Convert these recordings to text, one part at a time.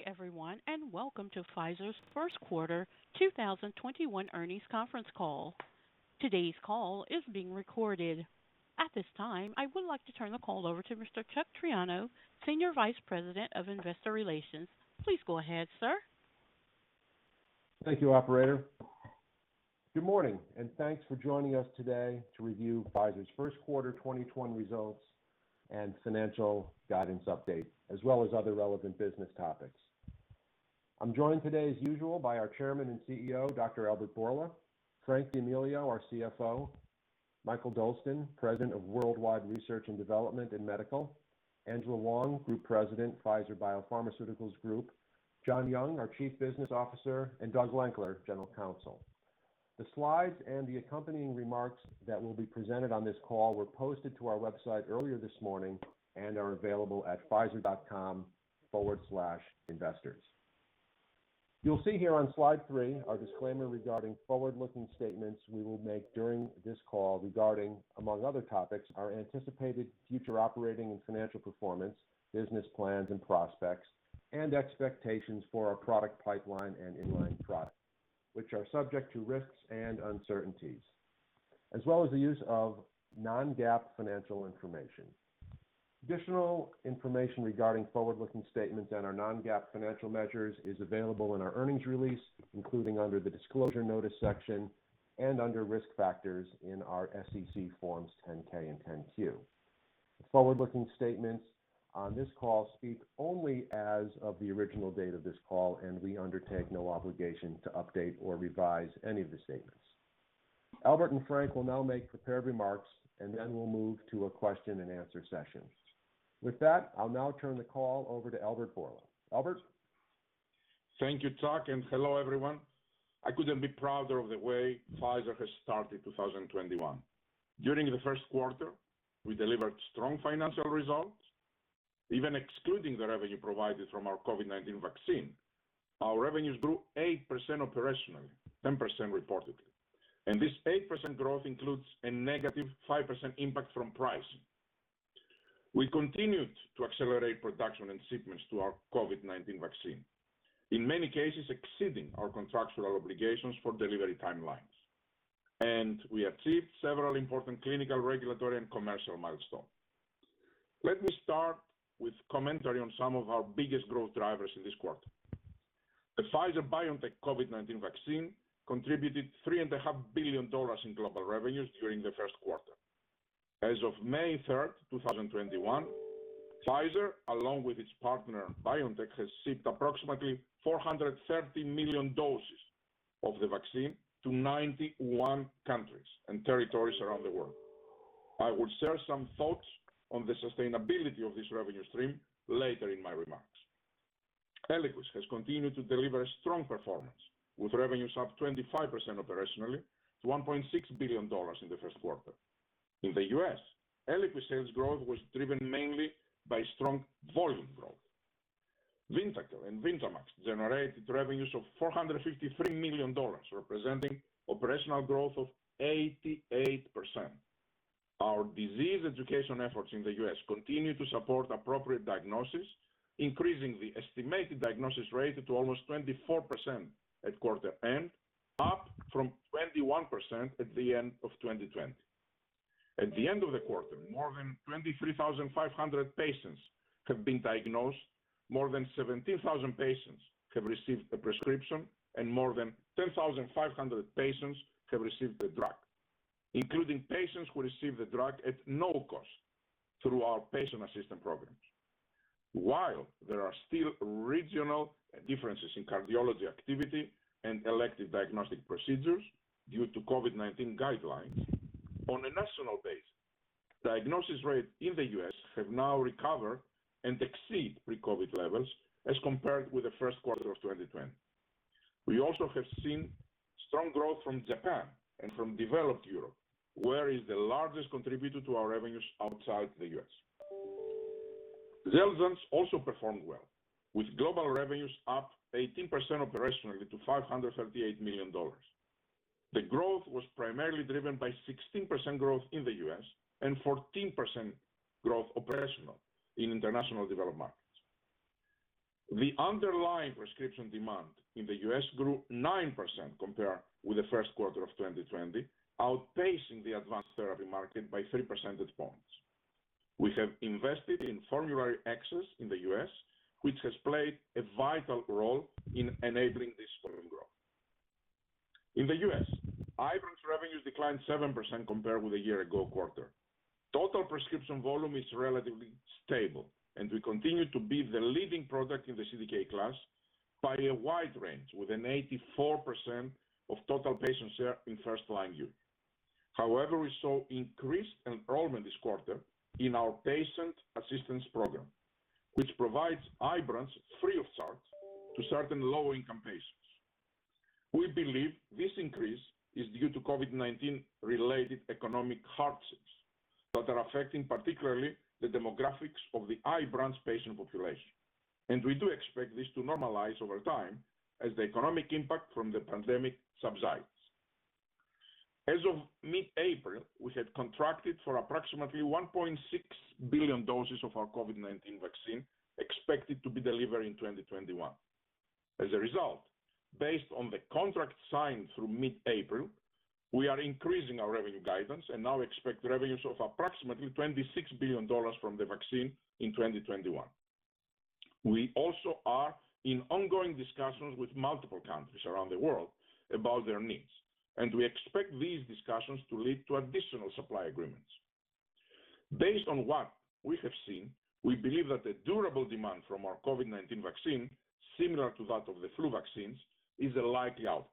Good day everyone, welcome to Pfizer's first quarter 2021 earnings conference call. Today's call is being recorded. At this time, I would like to turn the call over to Mr. Chuck Triano, Senior Vice President of Investor Relations. Please go ahead, sir. Thank you, operator. Good morning, and thanks for joining us today to review Pfizer's first quarter 2021 results and financial guidance update, as well as other relevant business topics. I'm joined today, as usual, by our Chairman and CEO, Dr. Albert Bourla, Frank D'Amelio, our CFO, Mikael Dolsten, President of Worldwide Research and Development in Medical, Angela Hwang, Group President, Pfizer Biopharmaceuticals Group, John Young, our Chief Business Officer, and Doug Lankler, General Counsel. The slides and the accompanying remarks that will be presented on this call were posted to our website earlier this morning and are available at pfizer.com/investors. You'll see here on slide three our disclaimer regarding forward-looking statements we will make during this call regarding, among other topics, our anticipated future operating and financial performance, business plans and prospects, and expectations for our product pipeline and in-line products, which are subject to risks and uncertainties, as well as the use of non-GAAP financial information. Additional information regarding forward-looking statements and our non-GAAP financial measures is available in our earnings release, including under the disclosure notice section and under risk factors in our SEC Forms 10-K and 10-Q. The forward-looking statements on this call speak only as of the original date of this call, and we undertake no obligation to update or revise any of the statements. Albert and Frank will now make prepared remarks, and then we'll move to a question and answer session. With that, I'll now turn the call over to Albert Bourla. Albert? Thank you, Chuck, and hello, everyone. I couldn't be prouder of the way Pfizer has started 2021. During the first quarter, we delivered strong financial results. Even excluding the revenue provided from our COVID-19 vaccine, our revenues grew 8% operationally, 10% reportedly. This 8% growth includes a -5% impact from pricing. We continued to accelerate production and shipments to our COVID-19 vaccine, in many cases exceeding our contractual obligations for delivery timelines. We achieved several important clinical, regulatory, and commercial milestones. Let me start with commentary on some of our biggest growth drivers in this quarter. The Pfizer-BioNTech COVID-19 vaccine contributed $3.5 billion in global revenues during the first quarter. As of May 3rd, 2021, Pfizer, along with its partner BioNTech, has shipped approximately 430 million doses of the vaccine to 91 countries and territories around the world. I will share some thoughts on the sustainability of this revenue stream later in my remarks. ELIQUIS has continued to deliver a strong performance, with revenues up 25% operationally to $1.6 billion in the first quarter. In the U.S., ELIQUIS sales growth was driven mainly by strong volume growth. VYNDAQEL and VYNDAMAX generated revenues of $453 million, representing operational growth of 88%. Our disease education efforts in the U.S. continue to support appropriate diagnosis, increasing the estimated diagnosis rate to almost 24% at quarter end, up from 21% at the end of 2020. At the end of the quarter, more than 23,500 patients have been diagnosed, more than 17,000 patients have received a prescription, and more than 10,500 patients have received the drug, including patients who receive the drug at no cost through our patient assistance programs. While there are still regional differences in cardiology activity and elective diagnostic procedures due to COVID-19 guidelines, on a national basis, diagnosis rates in the U.S. have now recovered and exceed pre-COVID levels as compared with the first quarter of 2020. We also have seen strong growth from Japan and from developed Europe, where is the largest contributor to our revenues outside the U.S. XELJANZ also performed well, with global revenues up 18% operationally to $538 million. The growth was primarily driven by 16% growth in the U.S., and 14% growth operational in international developed markets. The underlying prescription demand in the U.S. grew 9% compared with the first quarter of 2020, outpacing the advanced therapy market by 3 percentage points. We have invested in formulary access in the U.S., which has played a vital role in enabling this volume growth. In the U.S., IBRANCE revenues declined 7% compared with the year ago quarter. Total prescription volume is relatively stable, and we continue to be the leading product in the CDK class by a wide range, with an 84% of total patient share in first-line use. However, we saw increased enrollment this quarter in our patient assistance program, which provides IBRANCE free of charge to certain low-income patients. We believe this increase is due to COVID-19 related economic hardships that are affecting particularly the demographics of the IBRANCE patient population, and we do expect this to normalize over time as the economic impact from the pandemic subsides. As of mid-April, we had contracted for approximately 1.6 billion doses of our COVID-19 vaccine, expected to be delivered in 2021. As a result, based on the contract signed through mid-April, we are increasing our revenue guidance and now expect revenues of approximately $26 billion from the vaccine in 2021. We also are in ongoing discussions with multiple countries around the world about their needs, and we expect these discussions to lead to additional supply agreements. Based on what we have seen, we believe that the durable demand from our COVID-19 vaccine, similar to that of the flu vaccines, is a likely outcome.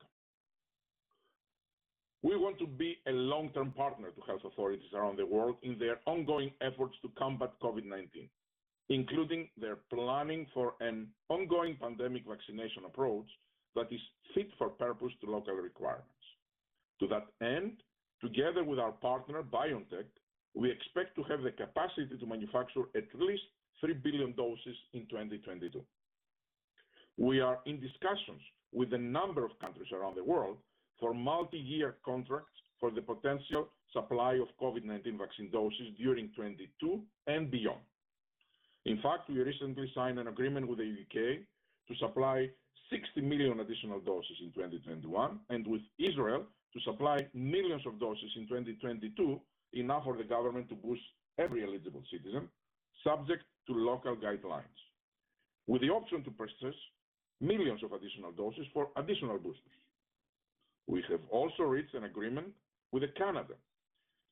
We want to be a long-term partner to health authorities around the world in their ongoing efforts to combat COVID-19, including their planning for an ongoing pandemic vaccination approach that is fit for purpose to local requirements. To that end, together with our partner, BioNTech, we expect to have the capacity to manufacture at least 3 billion doses in 2022. We are in discussions with a number of countries around the world for multi-year contracts for the potential supply of COVID-19 vaccine doses during 2022 and beyond. In fact, we recently signed an agreement with the U.K. to supply 60 million additional doses in 2021, and with Israel to supply millions of doses in 2022, enough for the government to boost every eligible citizen subject to local guidelines, with the option to purchase millions of additional doses for additional boosters. We have also reached an agreement with Canada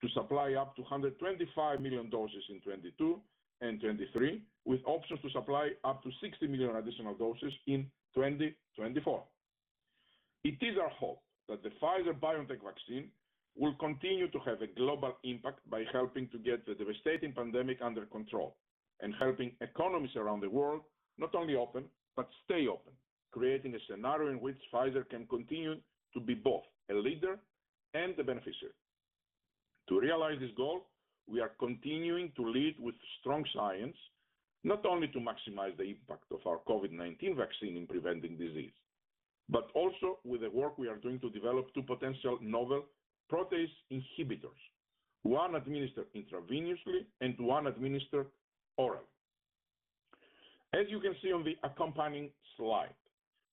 to supply up to 125 million doses in 2022 and 2023, with options to supply up to 60 million additional doses in 2024. It is our hope that the Pfizer-BioNTech vaccine will continue to have a global impact by helping to get the devastating pandemic under control and helping economies around the world not only open, but stay open, creating a scenario in which Pfizer can continue to be both a leader and a beneficiary. To realize this goal, we are continuing to lead with strong science, not only to maximize the impact of our COVID-19 vaccine in preventing disease, but also with the work we are doing to develop two potential novel protease inhibitors, one administered intravenously and one administered orally. As you can see on the accompanying slide,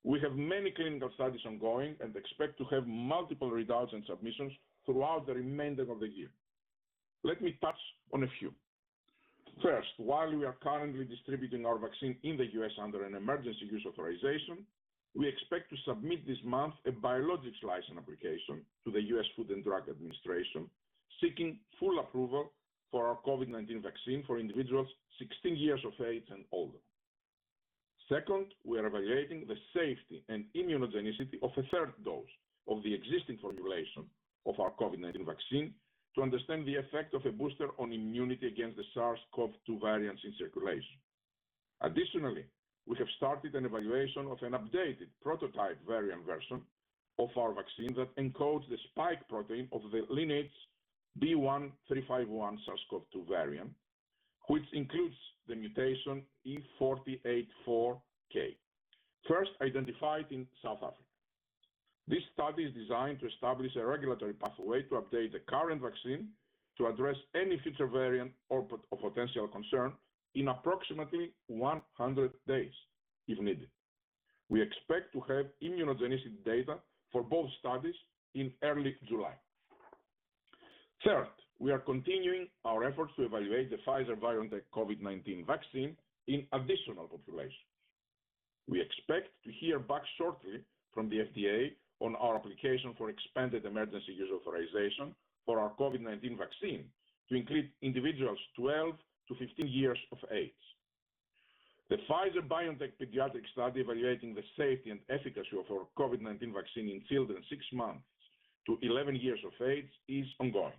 we have many clinical studies ongoing and expect to have multiple readouts and submissions throughout the remainder of the year. Let me touch on a few. First, while we are currently distributing our vaccine in the U.S. under an emergency use authorization, we expect to submit this month a biologics license application to the U.S. Food and Drug Administration, seeking full approval for our COVID-19 vaccine for individuals 16 years of age and older. Second, we are evaluating the safety and immunogenicity of a third dose of the existing formulation of our COVID-19 vaccine to understand the effect of a booster on immunity against the SARS-CoV-2 variants in circulation. We have started an evaluation of an updated prototype variant version of our vaccine that encodes the spike protein of the lineage B.1.351 SARS-CoV-2 variant, which includes the mutation E484K, first identified in South Africa. This study is designed to establish a regulatory pathway to update the current vaccine to address any future variant or potential concern in approximately 100 days, if needed. We expect to have immunogenicity data for both studies in early July. Third, we are continuing our efforts to evaluate the Pfizer-BioNTech COVID-19 vaccine in additional populations. We expect to hear back shortly from the FDA on our application for expanded emergency use authorization for our COVID-19 vaccine to include individuals 12-15 years of age. The Pfizer-BioNTech pediatric study evaluating the safety and efficacy of our COVID-19 vaccine in children six months to 11 years of age is ongoing.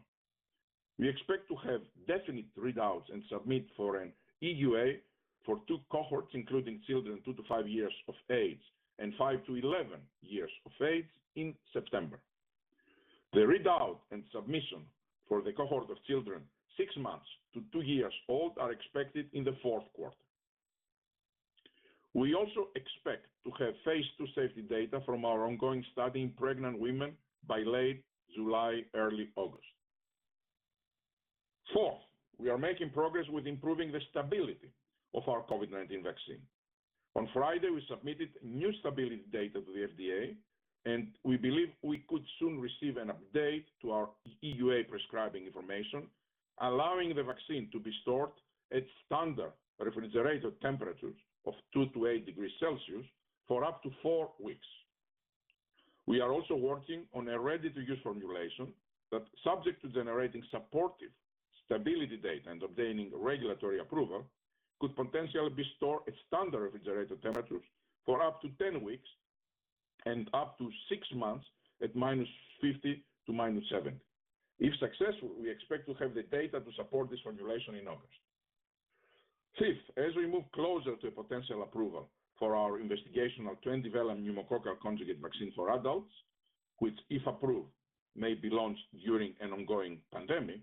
We expect to have definite readouts and submit for an EUA for two cohorts, including children two to five years of age, and 5-11 years of age in September. The readout and submission for the cohort of children six months to two years old are expected in the fourth quarter. We also expect to have phase II safety data from our ongoing study in pregnant women by late July, early August. Fourth, we are making progress with improving the stability of our COVID-19 vaccine. On Friday, we submitted new stability data to the FDA, and we believe we could soon receive an update to our EUA prescribing information, allowing the vaccine to be stored at standard refrigerated temperatures of two to eight degrees Celsius for up to four weeks. We are also working on a ready-to-use formulation that, subject to generating supportive stability data and obtaining regulatory approval, could potentially be stored at standard refrigerated temperatures for up to 10 weeks and up to six months at -50 to -70. If successful, we expect to have the data to support this formulation in August. Fifth, as we move closer to a potential approval for our investigational 20-valent pneumococcal conjugate vaccine for adults, which, if approved, may be launched during an ongoing pandemic.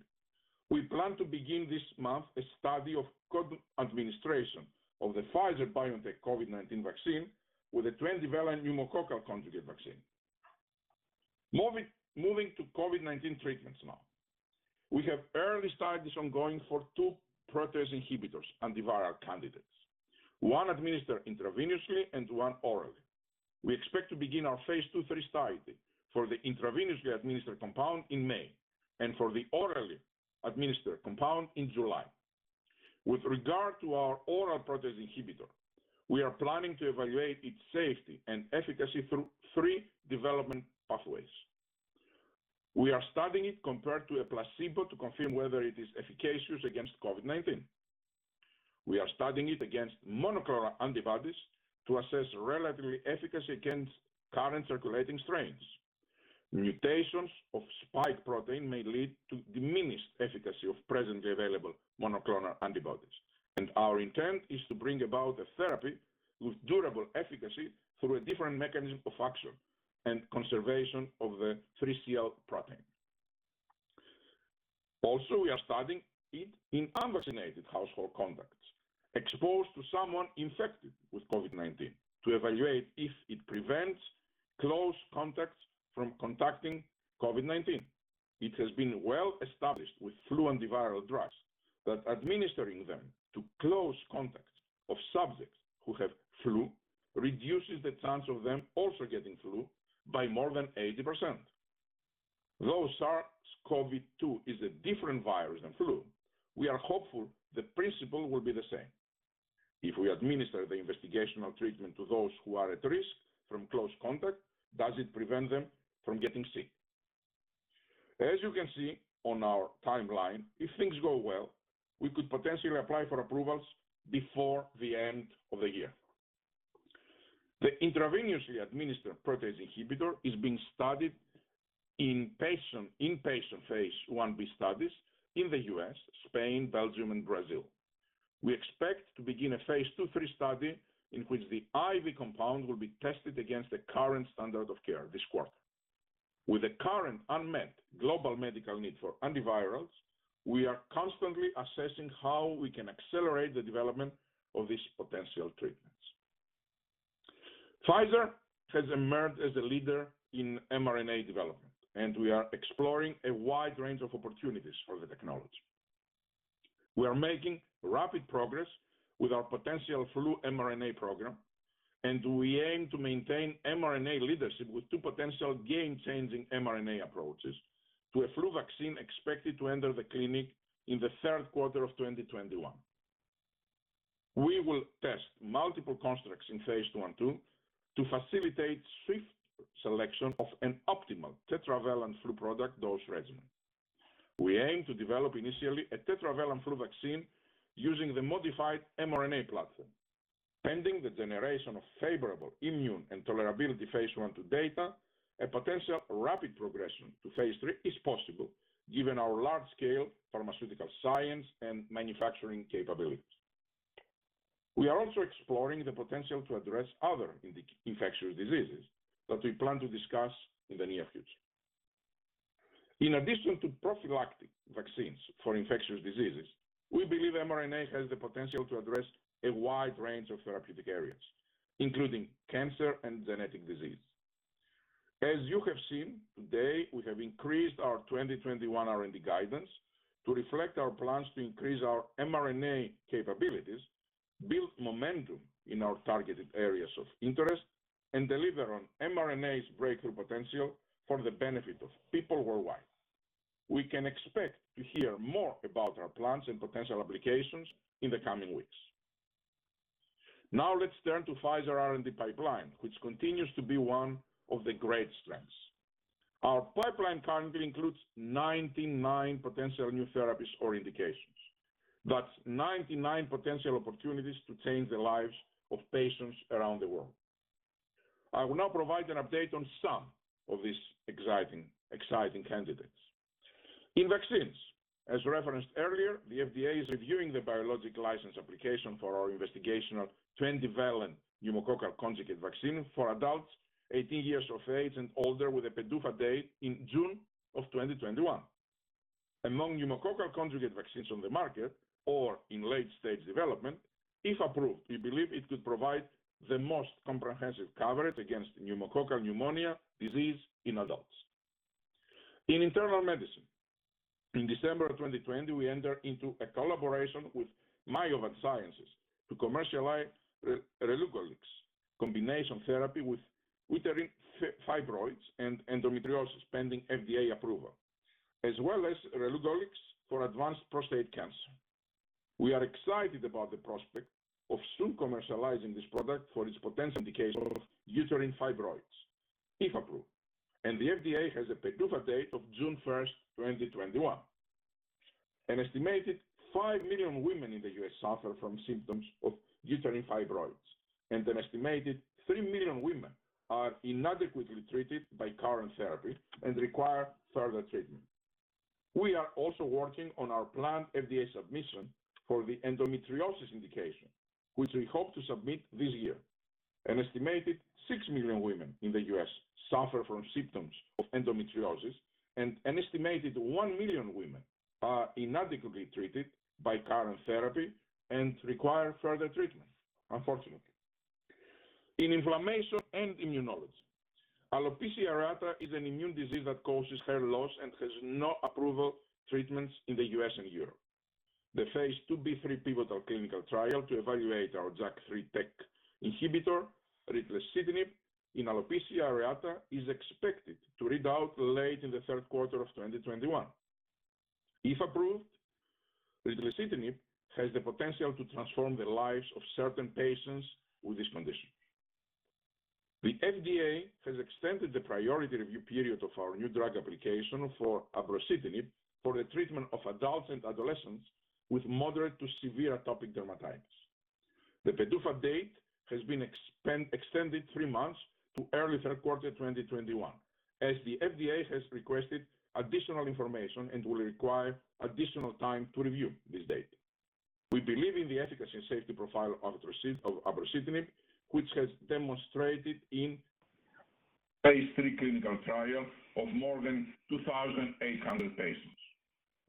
We plan to begin this month a study of co-administration of the Pfizer-BioNTech COVID-19 vaccine with a 20-valent pneumococcal conjugate vaccine. Moving to COVID-19 treatments now. We have early studies ongoing for two protease inhibitors, antiviral candidates, one administered intravenously and one orally. We expect to begin our phase II/III study for the intravenously administered compound in May, and for the orally administered compound in July. With regard to our oral protease inhibitor, we are planning to evaluate its safety and efficacy through three development pathways. We are studying it compared to a placebo to confirm whether it is efficacious against COVID-19. We are studying it against monoclonal antibodies to assess relative efficacy against current circulating strains. Mutations of spike protein may lead to diminished efficacy of presently available monoclonal antibodies. Our intent is to bring about a therapy with durable efficacy through a different mechanism of action and conservation of the 3CL protease. We are studying it in unvaccinated household contacts exposed to someone infected with COVID-19 to evaluate if it prevents close contacts from contracting COVID-19. It has been well established with flu antiviral drugs that administering them to close contacts of subjects who have flu reduces the chance of them also getting flu by more than 80%. Though SARS-CoV-2 is a different virus than flu, we are hopeful the principle will be the same. If we administer the investigational treatment to those who are at risk from close contact, does it prevent them from getting sick? As you can see on our timeline, if things go well, we could potentially apply for approvals before the end of the year. The intravenously administered protease inhibitor is being studied in patient phase I-B studies in the U.S., Spain, Belgium, and Brazil. We expect to begin a phase II/III study in which the IV compound will be tested against the current standard of care this quarter. With the current unmet global medical need for antivirals, we are constantly assessing how we can accelerate the development of these potential treatments. Pfizer has emerged as a leader in mRNA development, and we are exploring a wide range of opportunities for the technology. We are making rapid progress with our potential flu mRNA program, and we aim to maintain mRNA leadership with two potential game-changing mRNA approaches to a flu vaccine expected to enter the clinic in the third quarter of 2021. We will test multiple constructs in phase I/II to facilitate swift selection of an optimal tetravalent flu product dose regimen. We aim to develop initially a tetravalent flu vaccine using the modified mRNA platform. Pending the generation of favorable immune and tolerability phase I/II data, a potential rapid progression to phase III is possible given our large-scale pharmaceutical science and manufacturing capabilities. We are also exploring the potential to address other infectious diseases that we plan to discuss in the near future. In addition to prophylactic vaccines for infectious diseases, we believe mRNA has the potential to address a wide range of therapeutic areas, including cancer and genetic disease. As you have seen today, we have increased our 2021 R&D guidance to reflect our plans to increase our mRNA capabilities, build momentum in our targeted areas of interest, and deliver on mRNA's breakthrough potential for the benefit of people worldwide. We can expect to hear more about our plans and potential applications in the coming weeks. Now let's turn to Pfizer R&D pipeline, which continues to be one of the great strengths. Our pipeline currently includes 99 potential new therapies or indications. That's 99 potential opportunities to change the lives of patients around the world. I will now provide an update on some of these exciting candidates. In vaccines, as referenced earlier, the FDA is reviewing the biologics license application for our investigational 20-valent pneumococcal conjugate vaccine for adults 18 years of age and older with a PDUFA date in June of 2021. Among pneumococcal conjugate vaccines on the market or in late-stage development, if approved, we believe it could provide the most comprehensive coverage against pneumococcal pneumonia disease in adults. In internal medicine, in December of 2020, we entered into a collaboration with Myovant Sciences to commercialize relugolix combination therapy with uterine fibroids and endometriosis pending FDA approval, as well as relugolix for advanced prostate cancer. We are excited about the prospect of soon commercializing this product for its potential indication of uterine fibroids, if approved. The FDA has a PDUFA date of June 1st, 2021. An estimated 5 million women in the U.S. suffer from symptoms of uterine fibroids. An estimated 3 million women are inadequately treated by current therapy and require further treatment. We are also working on our planned FDA submission for the endometriosis indication, which we hope to submit this year. An estimated 6 million women in the U.S. suffer from symptoms of endometriosis. An estimated 1 million women are inadequately treated by current therapy and require further treatment, unfortunately. In inflammation and immunology, alopecia areata is an immune disease that causes hair loss and has no approved treatments in the U.S. and Europe. The phase II-B/III pivotal clinical trial to evaluate our JAK3/TEC kinase inhibitor, ritlecitinib, in alopecia areata, is expected to read out late in the third quarter of 2021. If approved, ritlecitinib has the potential to transform the lives of certain patients with this condition. The FDA has extended the priority review period of our new drug application for abrocitinib for the treatment of adults and adolescents with moderate to severe atopic dermatitis. The PDUFA date has been extended three months to early third quarter 2021, as the FDA has requested additional information and will require additional time to review this data. We believe in the efficacy and safety profile of abrocitinib, which has demonstrated in phase III clinical trial of more than 2,800 patients.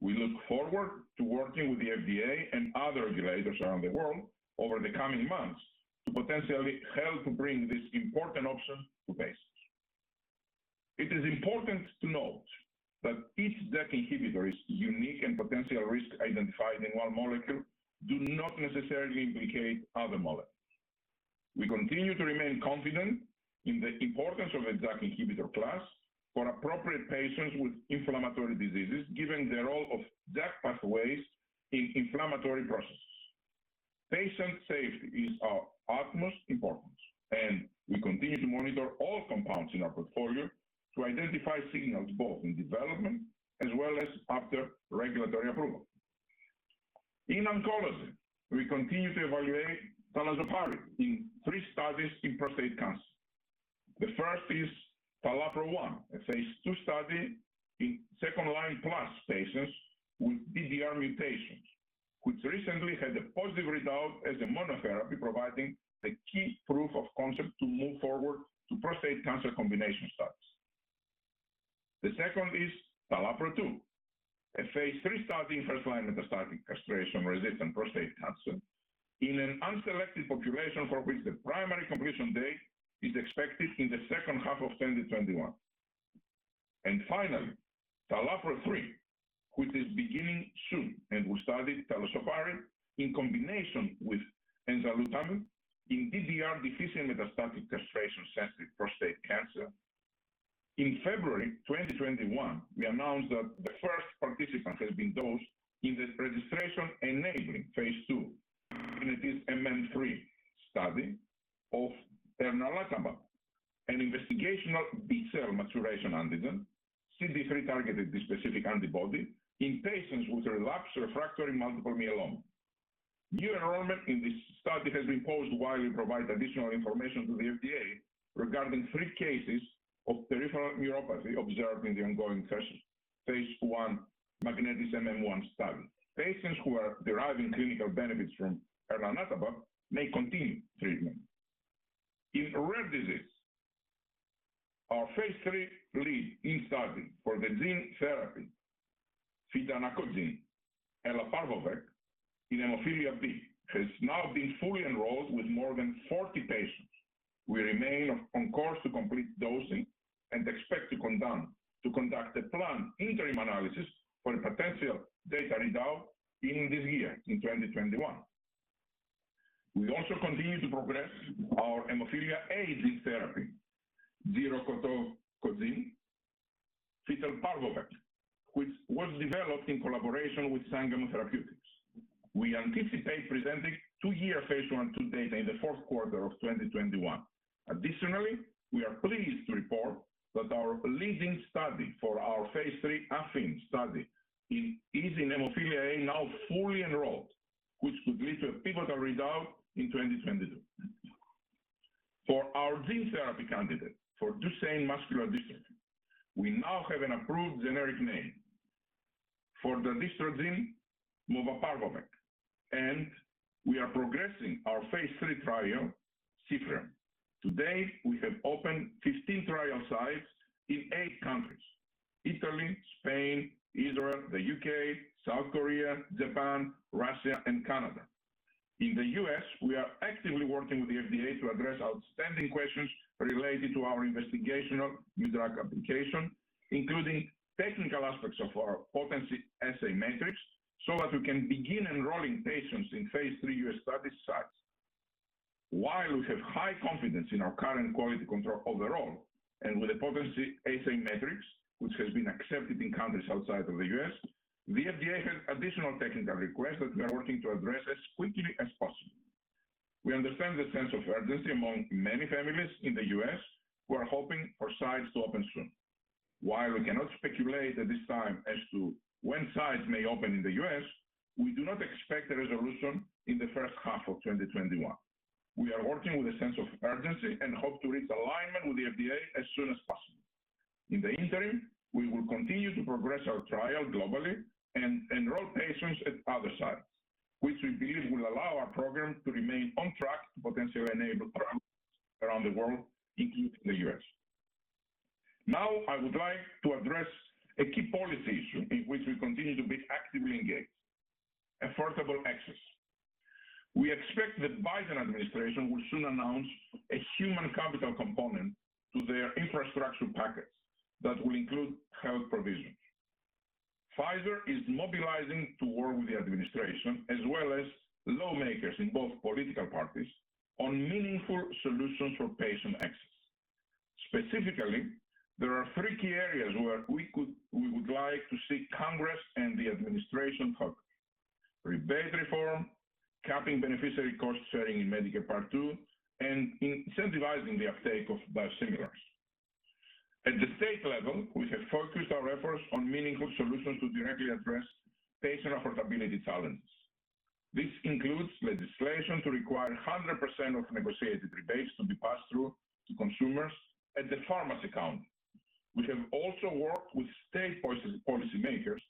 We look forward to working with the FDA and other regulators around the world over the coming months to potentially help to bring this important option to patients. It is important to note that each JAK inhibitor is unique, and potential risks identified in one molecule do not necessarily implicate other molecules. We continue to remain confident in the importance of the JAK inhibitor class for appropriate patients with inflammatory diseases, given the role of JAK pathways in inflammatory processes. Patient safety is of utmost importance, and we continue to monitor all compounds in our portfolio to identify signals both in development as well as after regulatory approval. In oncology, we continue to evaluate talazoparib in three studies in prostate cancer. The first is TALAPRO-1, a phase II study in second-line-plus patients with DDR mutations, which recently had a positive readout as a monotherapy, providing the key proof of concept to move forward to prostate cancer combination studies. The second is TALAPRO-2, a phase III study in first-line metastatic castration-resistant prostate cancer in an unselected population for which the primary completion date is expected in the H1 of 2021. Finally, TALAPRO-3, which is beginning soon, and will study talazoparib in combination with enzalutamide in DDR-deficient metastatic castration-sensitive prostate cancer. In February 2021, we announced that the first participant has been dosed in the registration-enabling phase II MagnetisMM-3 study of elranatamab, an investigational BCMA, CD3-targeted bispecific antibody in patients with relapsed/refractory multiple myeloma. New enrollment in this study has been paused while we provide additional information to the FDA regarding three cases of peripheral neuropathy observed in the ongoing phase I MagnetisMM-1 study. Patients who are deriving clinical benefits from elranatamab may continue treatment. In rare disease, our phase III lead in study for the gene therapy fidanacogene elaparvovec in hemophilia B, has now been fully enrolled with more than 40 patients. We remain on course to complete dosing and expect to conduct a planned interim analysis for a potential data readout in this year, in 2021. We also continue to progress our hemophilia A gene therapy, giroctocogene fitelparvovec, which was developed in collaboration with Sangamo Therapeutics. We anticipate presenting two-year phase I and II data in the fourth quarter of 2021. We are pleased to report that our leading study for our phase III AFFINE study is in hemophilia A, now fully enrolled, which could lead to a pivotal readout in 2022. For our gene therapy candidate for Duchenne muscular dystrophy, we now have an approved generic name for the fordadistrogene movaparvovec, we are progressing our phase III trial, dystrophy. To date, we have opened 15 trial sites in eight countries: Italy, Spain, Israel, the U.K., South Korea, Japan, Russia, and Canada. In the U.S., we are actively working with the FDA to address outstanding questions related to our investigational new drug application, including technical aspects of our potency assay metrics, that we can begin enrolling patients in phase III U.S. study sites. While we have high confidence in our current quality control overall and with the potency assay metrics, which has been accepted in countries outside of the U.S., the FDA has additional technical requests that we are working to address as quickly as possible. We understand the sense of urgency among many families in the U.S., who are hoping for sites to open soon. While we cannot speculate at this time as to when sites may open in the U.S., we do not expect a resolution in the H1 of 2021. We are working with a sense of urgency and hope to reach alignment with the FDA as soon as possible. In the interim, we will continue to progress our trial globally and enroll patients at other sites, which we believe will allow our program to remain on track to potentially enable around the world, including the U.S. Now, I would like to address a key policy issue in which we continue to be actively engaged, affordable access. We expect the Biden administration will soon announce a human capital component to their infrastructure package that will include health provisions. Pfizer is mobilizing to work with the administration as well as lawmakers in both political parties on meaningful solutions for patient access. Specifically, there are three key areas where we would like to see Congress and the administration help. Rebate reform, capping beneficiary cost-sharing in Medicare Part D, and incentivizing the uptake of biosimilars. At the state level, we have focused our efforts on meaningful solutions to directly address patient affordability challenges. This includes legislation to require 100% of negotiated rebates to be passed through to consumers at the pharmacy counter. We have also worked with state policymakers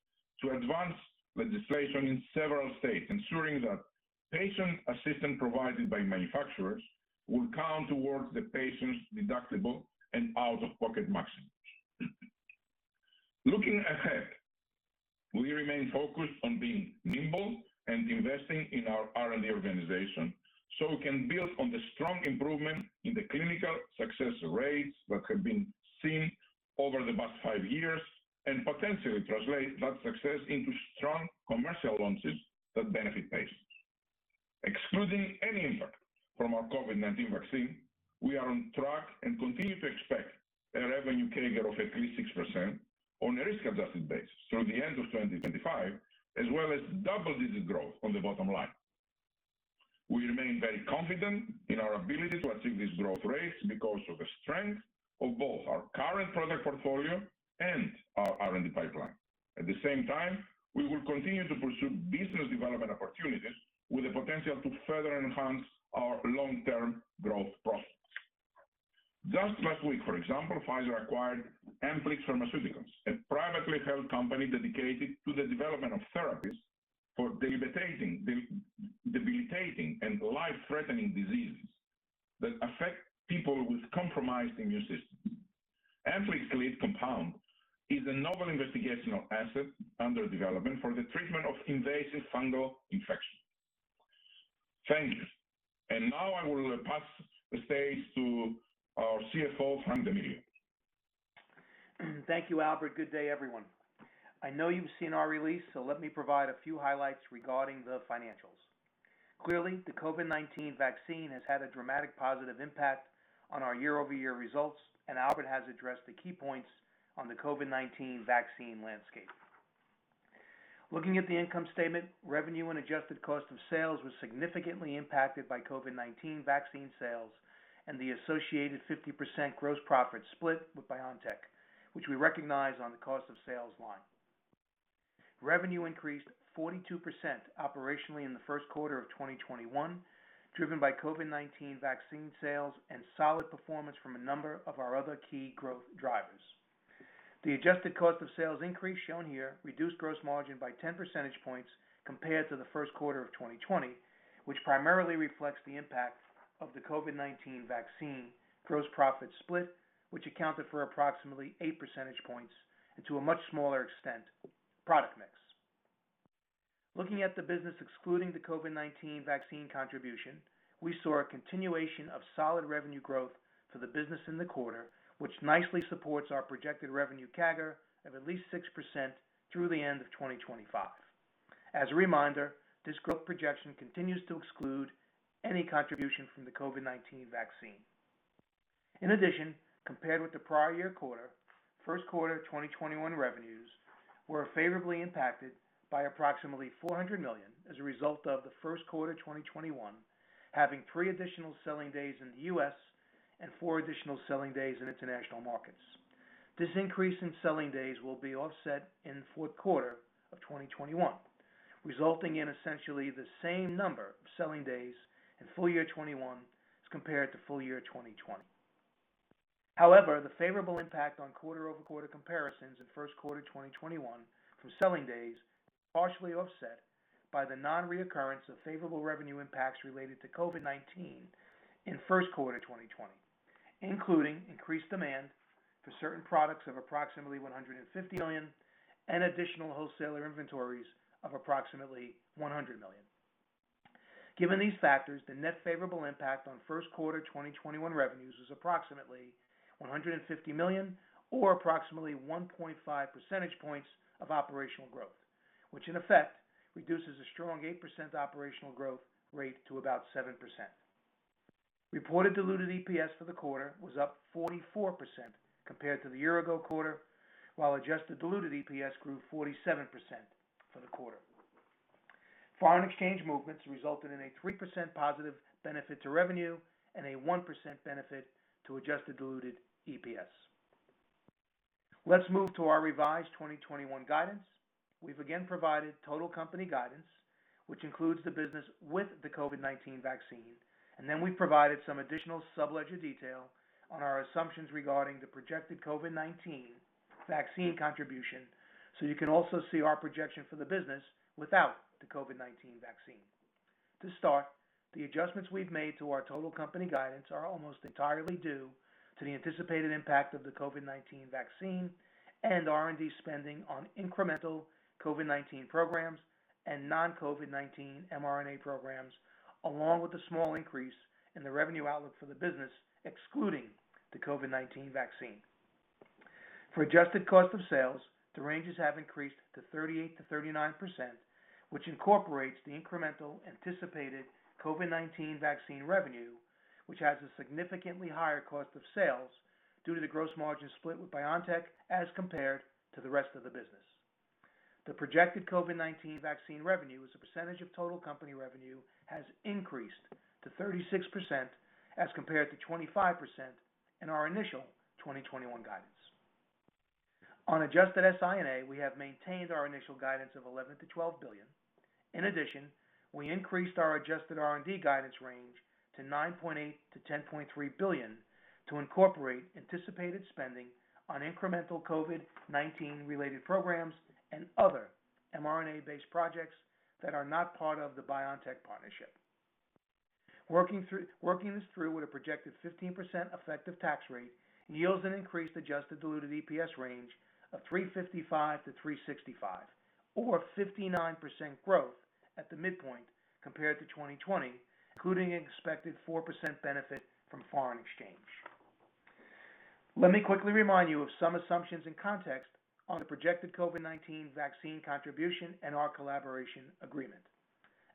to advance legislation in several states, ensuring that patient assistance provided by manufacturers will count towards the patient's deductible and out-of-pocket maximums. Looking ahead, we remain focused on being nimble and investing in our R&D organization so we can build on the strong improvement in the clinical success rates that have been seen over the past five years, and potentially translate that success into strong commercial launches that benefit patients. Excluding any impact from our COVID-19 vaccine, we are on track and continue to expect a revenue CAGR of at least 6% on a risk-adjusted basis through the end of 2025, as well as double-digit growth on the bottom line. We remain very confident in our ability to achieve these growth rates because of the strength of both our current product portfolio and our R&D pipeline. At the same time, we will continue to pursue business development opportunities with the potential to further enhance our long-term growth prospects. Just last week, for example, Pfizer acquired Amplyx Pharmaceuticals, a privately held company dedicated to the development of therapies for debilitating and life-threatening diseases that affect people with compromised immune systems. Amplyx's lead compound is a novel investigational asset under development for the treatment of invasive fungal infections. Thank you. Now I will pass the stage to our CFO, Frank D'Amelio. Thank you, Albert. Good day, everyone. I know you've seen our release, so let me provide a few highlights regarding the financials. Clearly, the COVID-19 vaccine has had a dramatic positive impact on our year-over-year results, and Albert has addressed the key points on the COVID-19 vaccine landscape. Looking at the income statement, revenue and adjusted cost of sales was significantly impacted by COVID-19 vaccine sales and the associated 50% gross profit split with BioNTech, which we recognize on the cost of sales line. Revenue increased 42% operationally in the first quarter of 2021, driven by COVID-19 vaccine sales and solid performance from a number of our other key growth drivers. The adjusted cost of sales increase shown here reduced gross margin by 10 percentage points compared to the first quarter of 2020, which primarily reflects the impact of the COVID-19 vaccine gross profit split, which accounted for approximately 8 percentage points, and to a much smaller extent, product mix. Looking at the business excluding the COVID-19 vaccine contribution, we saw a continuation of solid revenue growth for the business in the quarter, which nicely supports our projected revenue CAGR of at least 6% through the end of 2025. As a reminder, this growth projection continues to exclude any contribution from the COVID-19 vaccine. In addition, compared with the prior year quarter, first quarter 2021 revenues were favorably impacted by approximately $400 million as a result of the first quarter 2021 having three additional selling days in the U.S. and four additional selling days in international markets. This increase in selling days will be offset in the fourth quarter of 2021, resulting in essentially the same number of selling days in full year 2021 as compared to full year 2020. The favorable impact on quarter-over-quarter comparisons in first quarter 2021 from selling days was partially offset by the non-recurrence of favorable revenue impacts related to COVID-19 in first quarter 2020, including increased demand for certain products of approximately $150 million and additional wholesaler inventories of approximately $100 million. Given these factors, the net favorable impact on first quarter 2021 revenues was approximately $150 million or approximately 1.5 percentage points of operational growth, which in effect reduces a strong 8% operational growth rate to about 7%. Reported diluted EPS for the quarter was up 44% compared to the year-ago quarter, while adjusted diluted EPS grew 47% for the quarter. Foreign exchange movements resulted in a 3%+ benefit to revenue and a 1% benefit to adjusted diluted EPS. Let's move to our revised 2021 guidance. We've again provided total company guidance, which includes the business with the COVID-19 vaccine, and then we've provided some additional sub-ledger detail on our assumptions regarding the projected COVID-19 vaccine contribution, so you can also see our projection for the business without the COVID-19 vaccine. To start, the adjustments we've made to our total company guidance are almost entirely due to the anticipated impact of the COVID-19 vaccine and R&D spending on incremental COVID-19 programs and non-COVID-19 mRNA programs, along with the small increase in the revenue outlook for the business, excluding the COVID-19 vaccine. For adjusted cost of sales, the ranges have increased to 38%-39%, which incorporates the incremental anticipated COVID-19 vaccine revenue, which has a significantly higher cost of sales due to the gross margin split with BioNTech as compared to the rest of the business. The projected COVID-19 vaccine revenue as a percentage of total company revenue has increased to 36% as compared to 25% in our initial 2021 guidance. On adjusted SI&A, we have maintained our initial guidance of $11 billion-$12 billion. In addition, we increased our adjusted R&D guidance range to $9.8 billion-$10.3 billion to incorporate anticipated spending on incremental COVID-19 related programs and other mRNA-based projects that are not part of the BioNTech partnership. Working this through with a projected 15% effective tax rate yields an increased adjusted diluted EPS range of $3.55-$3.65, or a 59% growth at the midpoint compared to 2020, including an expected 4% benefit from foreign exchange. Let me quickly remind you of some assumptions and context on the projected COVID-19 vaccine contribution and our collaboration agreement.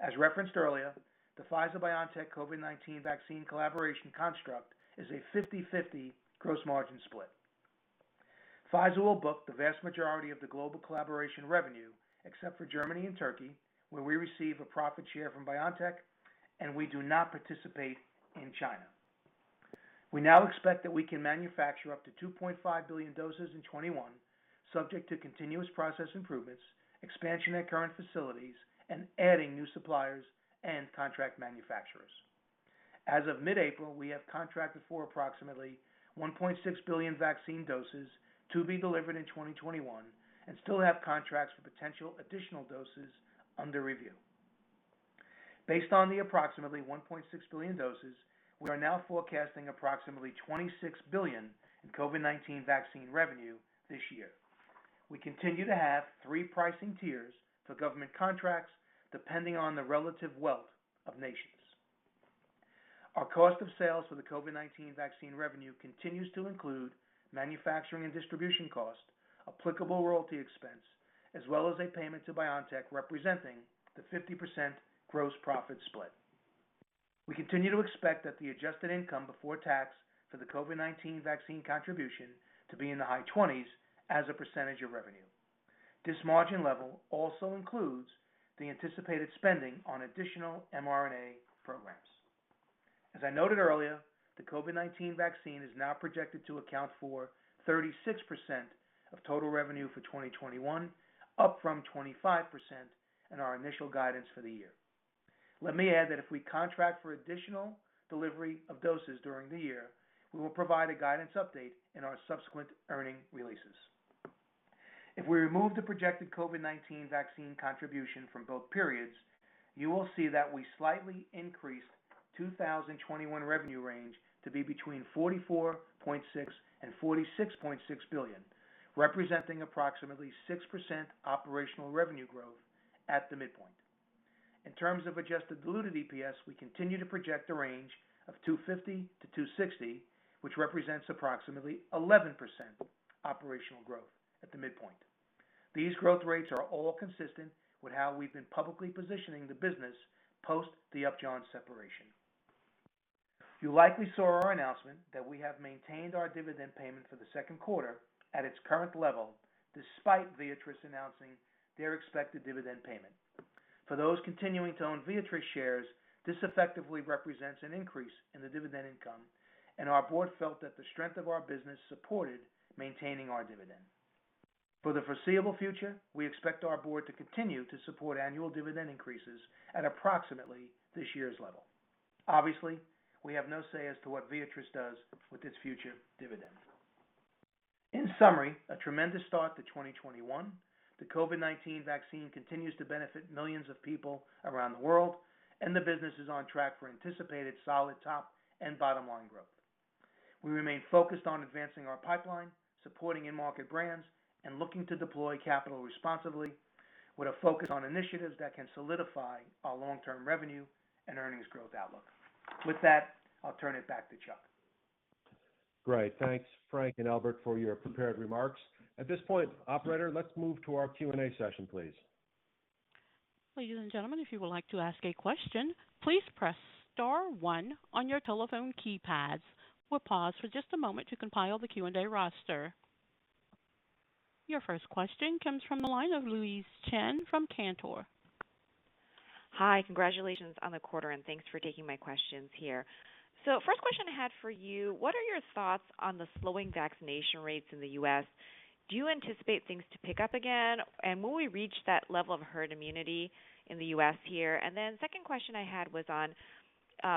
As referenced earlier, the Pfizer-BioNTech COVID-19 vaccine collaboration construct is a 50/50 gross margin split. Pfizer will book the vast majority of the global collaboration revenue, except for Germany and Turkey, where we receive a profit share from BioNTech, and we do not participate in China. We now expect that we can manufacture up to 2.5 billion doses in 2021, subject to continuous process improvements, expansion at current facilities, and adding new suppliers and contract manufacturers. As of mid-April, we have contracted for approximately 1.6 billion vaccine doses to be delivered in 2021 and still have contracts for potential additional doses under review. Based on the approximately 1.6 billion doses, we are now forecasting approximately $26 billion in COVID-19 vaccine revenue this year. We continue to have three pricing tiers for government contracts depending on the relative wealth of nations. Our cost of sales for the COVID-19 vaccine revenue continues to include manufacturing and distribution cost, applicable royalty expense, as well as a payment to BioNTech representing the 50% gross profit split. We continue to expect that the adjusted income before tax for the COVID-19 vaccine contribution to be in the high 20s as a percentage of revenue. This margin level also includes the anticipated spending on additional mRNA programs. As I noted earlier, the COVID-19 vaccine is now projected to account for 36% of total revenue for 2021, up from 25% in our initial guidance for the year. Let me add that if we contract for additional delivery of doses during the year, we will provide a guidance update in our subsequent earning releases. If we remove the projected COVID-19 vaccine contribution from both periods, you will see that we slightly increased 2021 revenue range to be between $44.6 and $46.6 billion, representing approximately 6% operational revenue growth at the midpoint. In terms of adjusted diluted EPS, we continue to project a range of $2.50-$2.60, which represents approximately 11% operational growth at the midpoint. These growth rates are all consistent with how we've been publicly positioning the business post the Upjohn separation. You likely saw our announcement that we have maintained our dividend payment for the second quarter at its current level, despite Viatris announcing their expected dividend payment. For those continuing to own Viatris shares, this effectively represents an increase in the dividend income, and our board felt that the strength of our business supported maintaining our dividend. For the foreseeable future, we expect our board to continue to support annual dividend increases at approximately this year's level. Obviously, we have no say as to what Viatris does with its future dividend. In summary, a tremendous start to 2021. The COVID-19 vaccine continues to benefit millions of people around the world, and the business is on track for anticipated solid top and bottom-line growth. We remain focused on advancing our pipeline, supporting in-market brands, and looking to deploy capital responsibly with a focus on initiatives that can solidify our long-term revenue and earnings growth outlook. With that, I'll turn it back to Chuck. Great. Thanks, Frank and Albert, for your prepared remarks. At this point, operator, let's move to our Q&A session, please. Ladies and gentlemen, if you would like to ask a question, please press star one on your telephone keypads. We'll pause for just a moment to compile the Q&A roster. Your first question comes from the line of Louise Chen from Cantor. Hi. Congratulations on the quarter, and thanks for taking my questions here. First question I had for you, what are your thoughts on the slowing vaccination rates in the U.S.? Do you anticipate things to pick up again? Will we reach that level of herd immunity in the U.S. here? Second question I had was on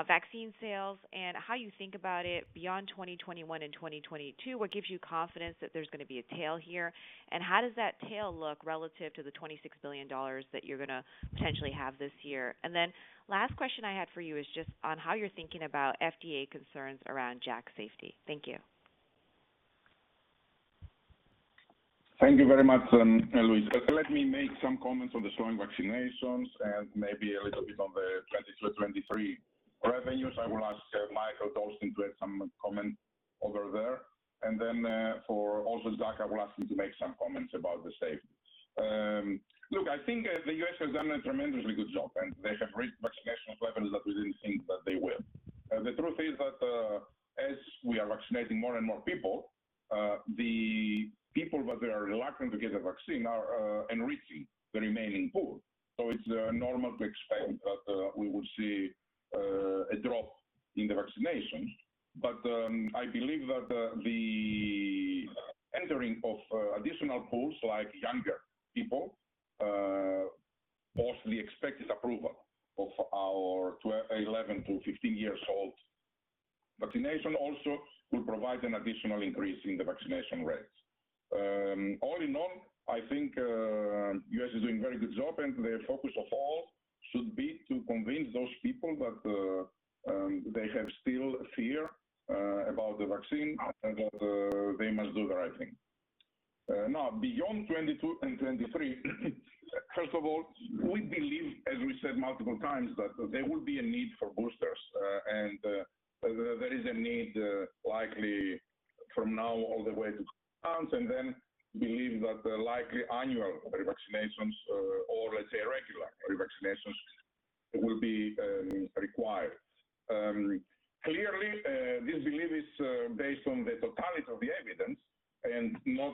vaccine sales and how you think about it beyond 2021 and 2022. What gives you confidence that there's going to be a tail here, how does that tail look relative to the $26 billion that you're going to potentially have this year? Last question I had for you is just on how you're thinking about FDA concerns around JAK safety. Thank you. Thank you very much, Louise. Let me make some comments on the slowing vaccinations and maybe a little bit on the 2022, 2023 revenues. I will ask Mikael Dolsten to add some comment over there. For also JAK, I will ask him to make some comments about the safety. Look, I think the U.S. has done a tremendously good job, and they have reached vaccination levels that we didn't think that they will. The truth is that as we are vaccinating more and more people, the people that are reluctant to get a vaccine are enriching the remaining pool. It's normal to expect that we will see a drop in the vaccinations. I believe that the entering of additional pools, like younger people, possibly expected approval of our 11-15 years old vaccination also will provide an additional increase in the vaccination rates. All in all, I think U.S. is doing a very good job. The focus of all should be to convince those people that they have still fear about the vaccine and that they must do the right thing. Now, beyond 2022 and 2023, first of all, we believe, as we said multiple times, that there will be a need for boosters. There is a need likely from now all the way to and then believe that the likely annual revaccinations, or let's say, regular revaccinations, will be required. Clearly, this belief is based on the totality of the evidence and not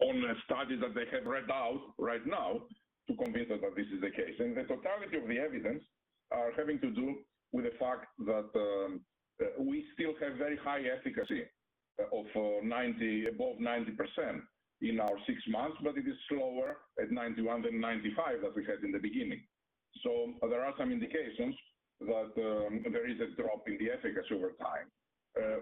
on studies that they have read out right now to convince us that this is the case. The totality of the evidence are having to do with the fact that we still have very high efficacy of above 90% in our six months, but it is slower at 91 than 95 that we had in the beginning. There are some indications that there is a drop in the efficacy over time.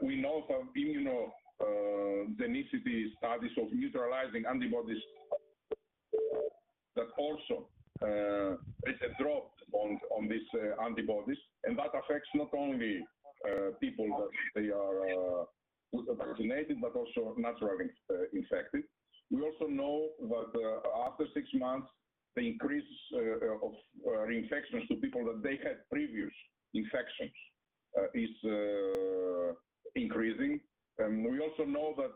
We know from immunogenicity studies of neutralizing antibodies that also there's a drop on these antibodies, and that affects not only people that they are good or vaccinated, but also naturally infected. We also know that after six months, the increase of reinfections to people that they had previous infections is increasing. We also know that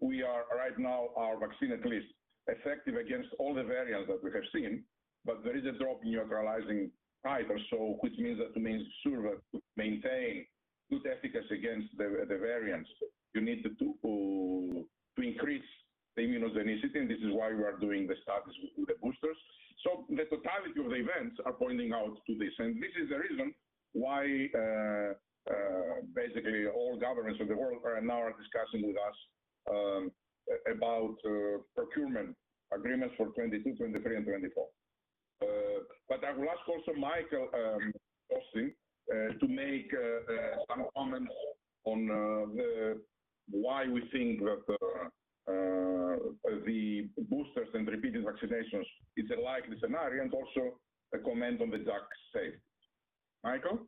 we are right now our vaccine at least effective against all the variants that we have seen. There is a drop in neutralizing either. Which means that it means sure that to maintain good efficacy against the variants you need to increase the immunogenicity, and this is why we are doing the studies with the boosters. The totality of the events are pointing out to this, and this is the reason why basically all governments of the world are now discussing with us about procurement agreements for 2022, 2023, and 2024. I will ask also Mikael Dolsten to make some comments on why we think that the boosters and repeated vaccinations is a likely scenario, and also a comment on the JAK safe. Mikael?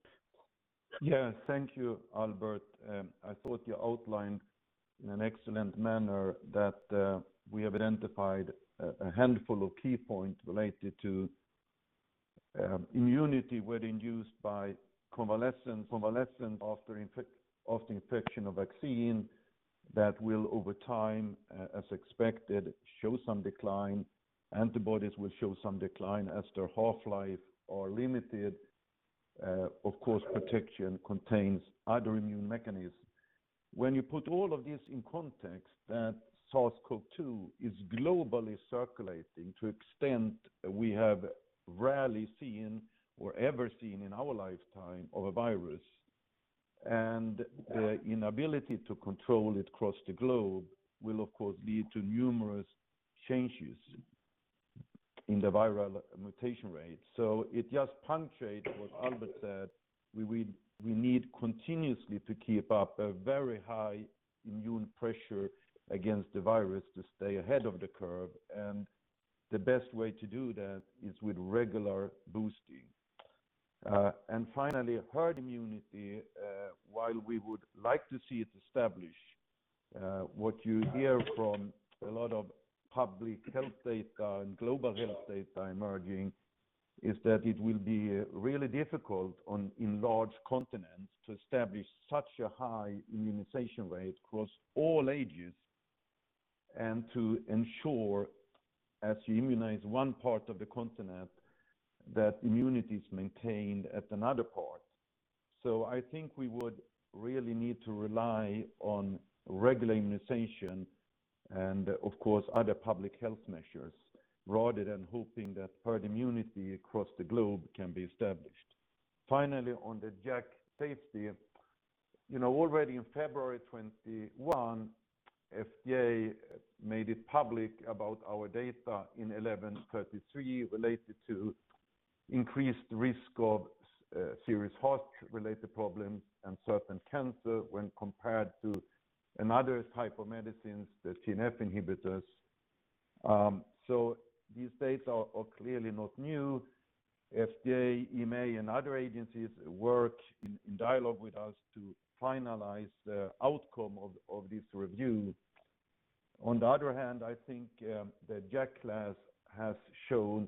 Yeah. Thank you, Albert. I thought you outlined in an excellent manner that we have identified a handful of key points related to immunity, whether induced by convalescent after infection of vaccine that will, over time, as expected, show some decline. Antibodies will show some decline as their half-life are limited. Of course, protection contains other immune mechanisms. When you put all of this in context that SARS-CoV-2 is globally circulating to extent we have rarely seen or ever seen in our lifetime of a virus, and inability to control it across the globe will, of course, lead to numerous changes in the viral mutation rate. It just punctuates what Albert said. We need continuously to keep up a very high immune pressure against the virus to stay ahead of the curve, and the best way to do that is with regular boosting. Finally, herd immunity, while we would like to see it established, what you hear from a lot of public health data and global health data emerging, is that it will be really difficult in large continents to establish such a high immunization rate across all ages and to ensure, as you immunize one part of the continent, that immunity is maintained at another part. I think we would really need to rely on regular immunization. Of course, other public health measures, rather than hoping that herd immunity across the globe can be established. Finally, on the JAK safety, already in February 2021, FDA made it public about our data in A3921133 related to increased risk of serious heart-related problems and certain cancer when compared to another type of medicines, the TNF inhibitors. These data are clearly not new. FDA, EMA, and other agencies work in dialogue with us to finalize the outcome of this review. On the other hand, I think the JAK class has shown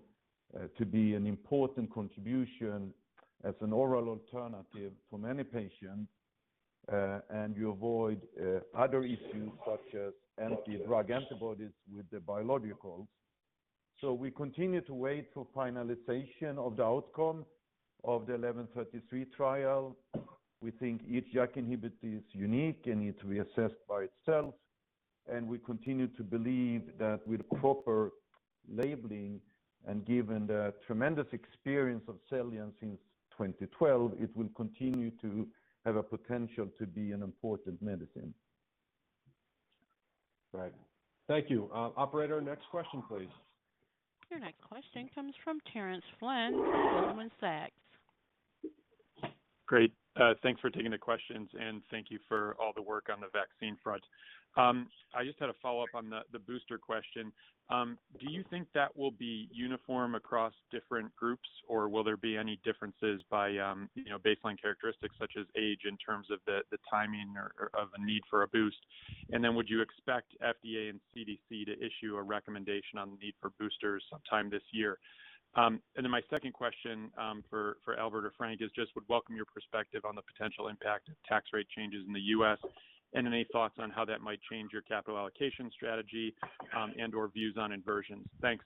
to be an important contribution as an oral alternative for many patients, and you avoid other issues such as anti-drug antibodies with the biologicals. We continue to wait for finalization of the outcome of the A3921133 trial. We think each JAK inhibitor is unique and needs to be assessed by itself, and we continue to believe that with proper labeling, and given the tremendous experience of XELJANZ since 2012, it will continue to have a potential to be an important medicine. Right. Thank you. Operator, next question, please. Your next question comes from Terence Flynn from Goldman Sachs. Great. Thanks for taking the questions, and thank you for all the work on the vaccine front. I just had a follow-up on the booster question. Do you think that will be uniform across different groups, or will there be any differences by baseline characteristics such as age in terms of the timing or of a need for a boost? Would you expect FDA and CDC to issue a recommendation on the need for boosters sometime this year? My second question for Albert or Frank is just would welcome your perspective on the potential impact of tax rate changes in the U.S. and any thoughts on how that might change your capital allocation strategy, and/or views on inversions. Thanks.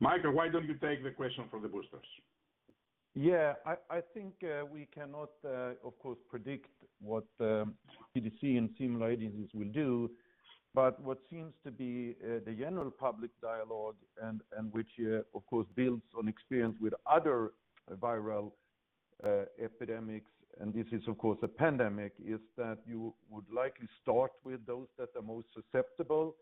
Mikael, why don't you take the question for the boosters? Yeah. I think we cannot, of course, predict what the CDC and similar agencies will do, but what seems to be the general public dialogue and which, of course, builds on experience with other viral epidemics, and this is, of course, a pandemic, is that you would likely start with those that are most susceptible,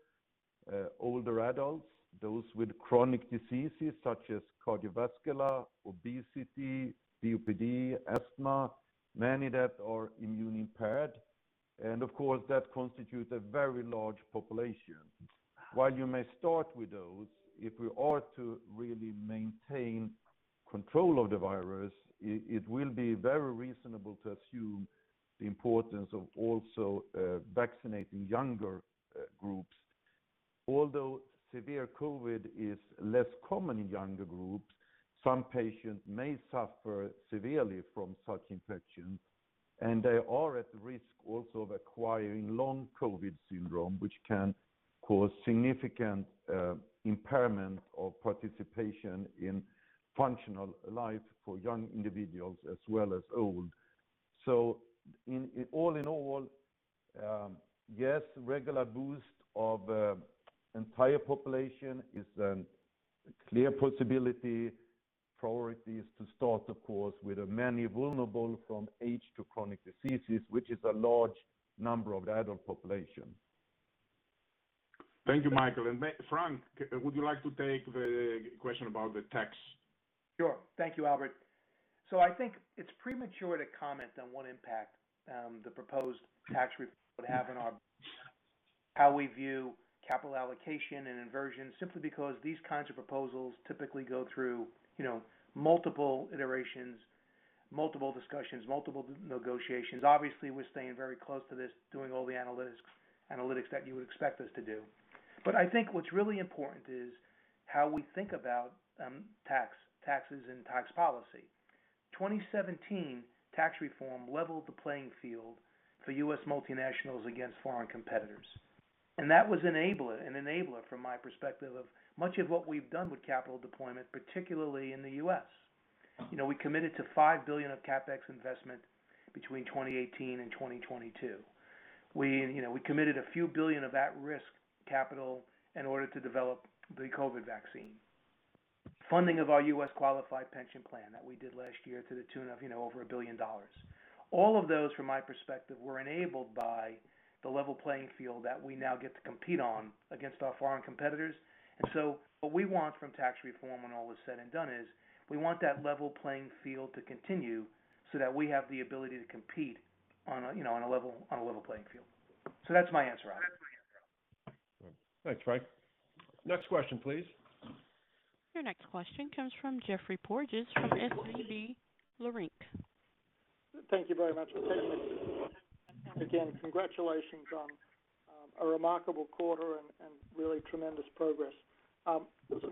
older adults, those with chronic diseases such as cardiovascular, obesity, COPD, asthma, many that are immune-impaired. Of course, that constitutes a very large population. While you may start with those, if we are to really maintain control of the virus, it will be very reasonable to assume the importance of also vaccinating younger groups. Although severe COVID is less common in younger groups, some patients may suffer severely from such infection, and they are at risk also of acquiring long COVID syndrome, which can cause significant impairment of participation in functional life for young individuals as well as old. all in all, yes, regular boost of entire population is a clear possibility. Priority is to start, of course, with the many vulnerable from age to chronic diseases, which is a large number of the adult population. Thank you, Michael. Frank, would you like to take the question about the tax? Sure. Thank you, Albert. I think it's premature to comment on what impact the proposed tax reform would have on our how we view capital allocation and inversion, simply because these kinds of proposals typically go through multiple iterations, multiple discussions, multiple negotiations. Obviously, we're staying very close to this, doing all the analytics that you would expect us to do. I think what's really important is how we think about taxes and tax policy. 2017 tax reform leveled the playing field for U.S. multinationals against foreign competitors. that was an enabler from my perspective of much of what we've done with capital deployment, particularly in the U.S. We committed to $5 billion of CapEx investment between 2018 and 2022. We committed a few billion of at-risk capital in order to develop the COVID vaccine. Funding of our U.S. qualified pension plan that we did last year to the tune of over a billion-dollars. All of those, from my perspective, were enabled by the level playing field that we now get to compete on against our foreign competitors. What we want from tax reform when all is said and done is we want that level playing field to continue so that we have the ability to compete on a level playing field. That's my answer, Albert. Thanks, Frank. Next question, please. Your next question comes from Geoffrey Porges from SVB Leerink. Thank you very much. Again, congratulations on a remarkable quarter and really tremendous progress. Some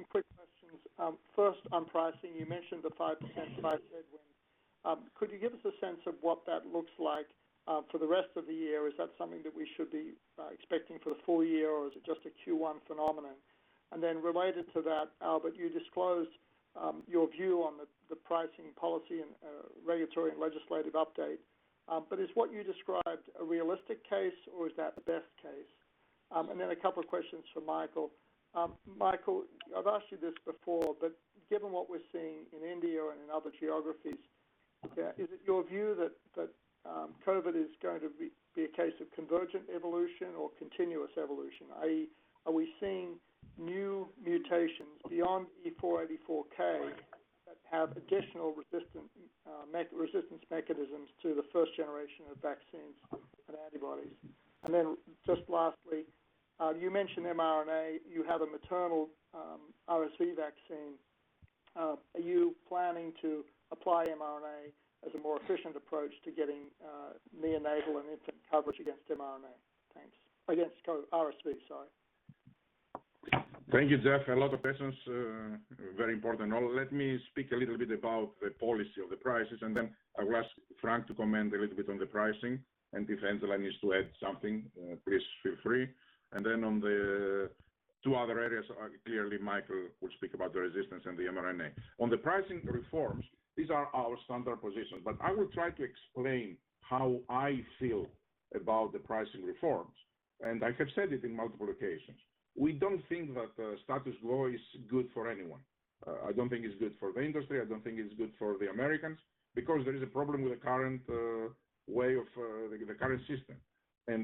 quick questions. First, on pricing, you mentioned the 5% price headwind. Could you give us a sense of what that looks like for the rest of the year? Is that something that we should be expecting for the full year, or is it just a Q1 phenomenon? Then related to that, Albert, you disclosed your view on the pricing policy and regulatory and legislative update. Is what you described a realistic case, or is that best case? Then a couple of questions for Michael. Michael, I've asked you this before, but given what we're seeing in India and in other geographies, is it your view that COVID is going to be a case of convergent evolution or continuous evolution? Are we seeing new mutations beyond E484K that have additional resistance mechanisms to the first generation of vaccines and antibodies? Just lastly, you mentioned mRNA. You have a maternal RSV vaccine. Are you planning to apply mRNA as a more efficient approach to getting neonatal and infant coverage against mRNA? Thanks. Against RSV, sorry. Thank you, Jeff. A lot of questions. Very important. Let me speak a little bit about the policy of the prices, and then I will ask Frank to comment a little bit on the pricing, and if Angela needs to add something, please feel free. then on the two other areas, clearly, Michael will speak about the resistance and the mRNA. On the pricing reforms, these are our standard positions, but I will try to explain how I feel about the pricing reforms. I have said it on multiple occasions. We don't think that the status quo is good for anyone. I don't think it's good for the industry. I don't think it's good for the Americans, because there is a problem with the current system.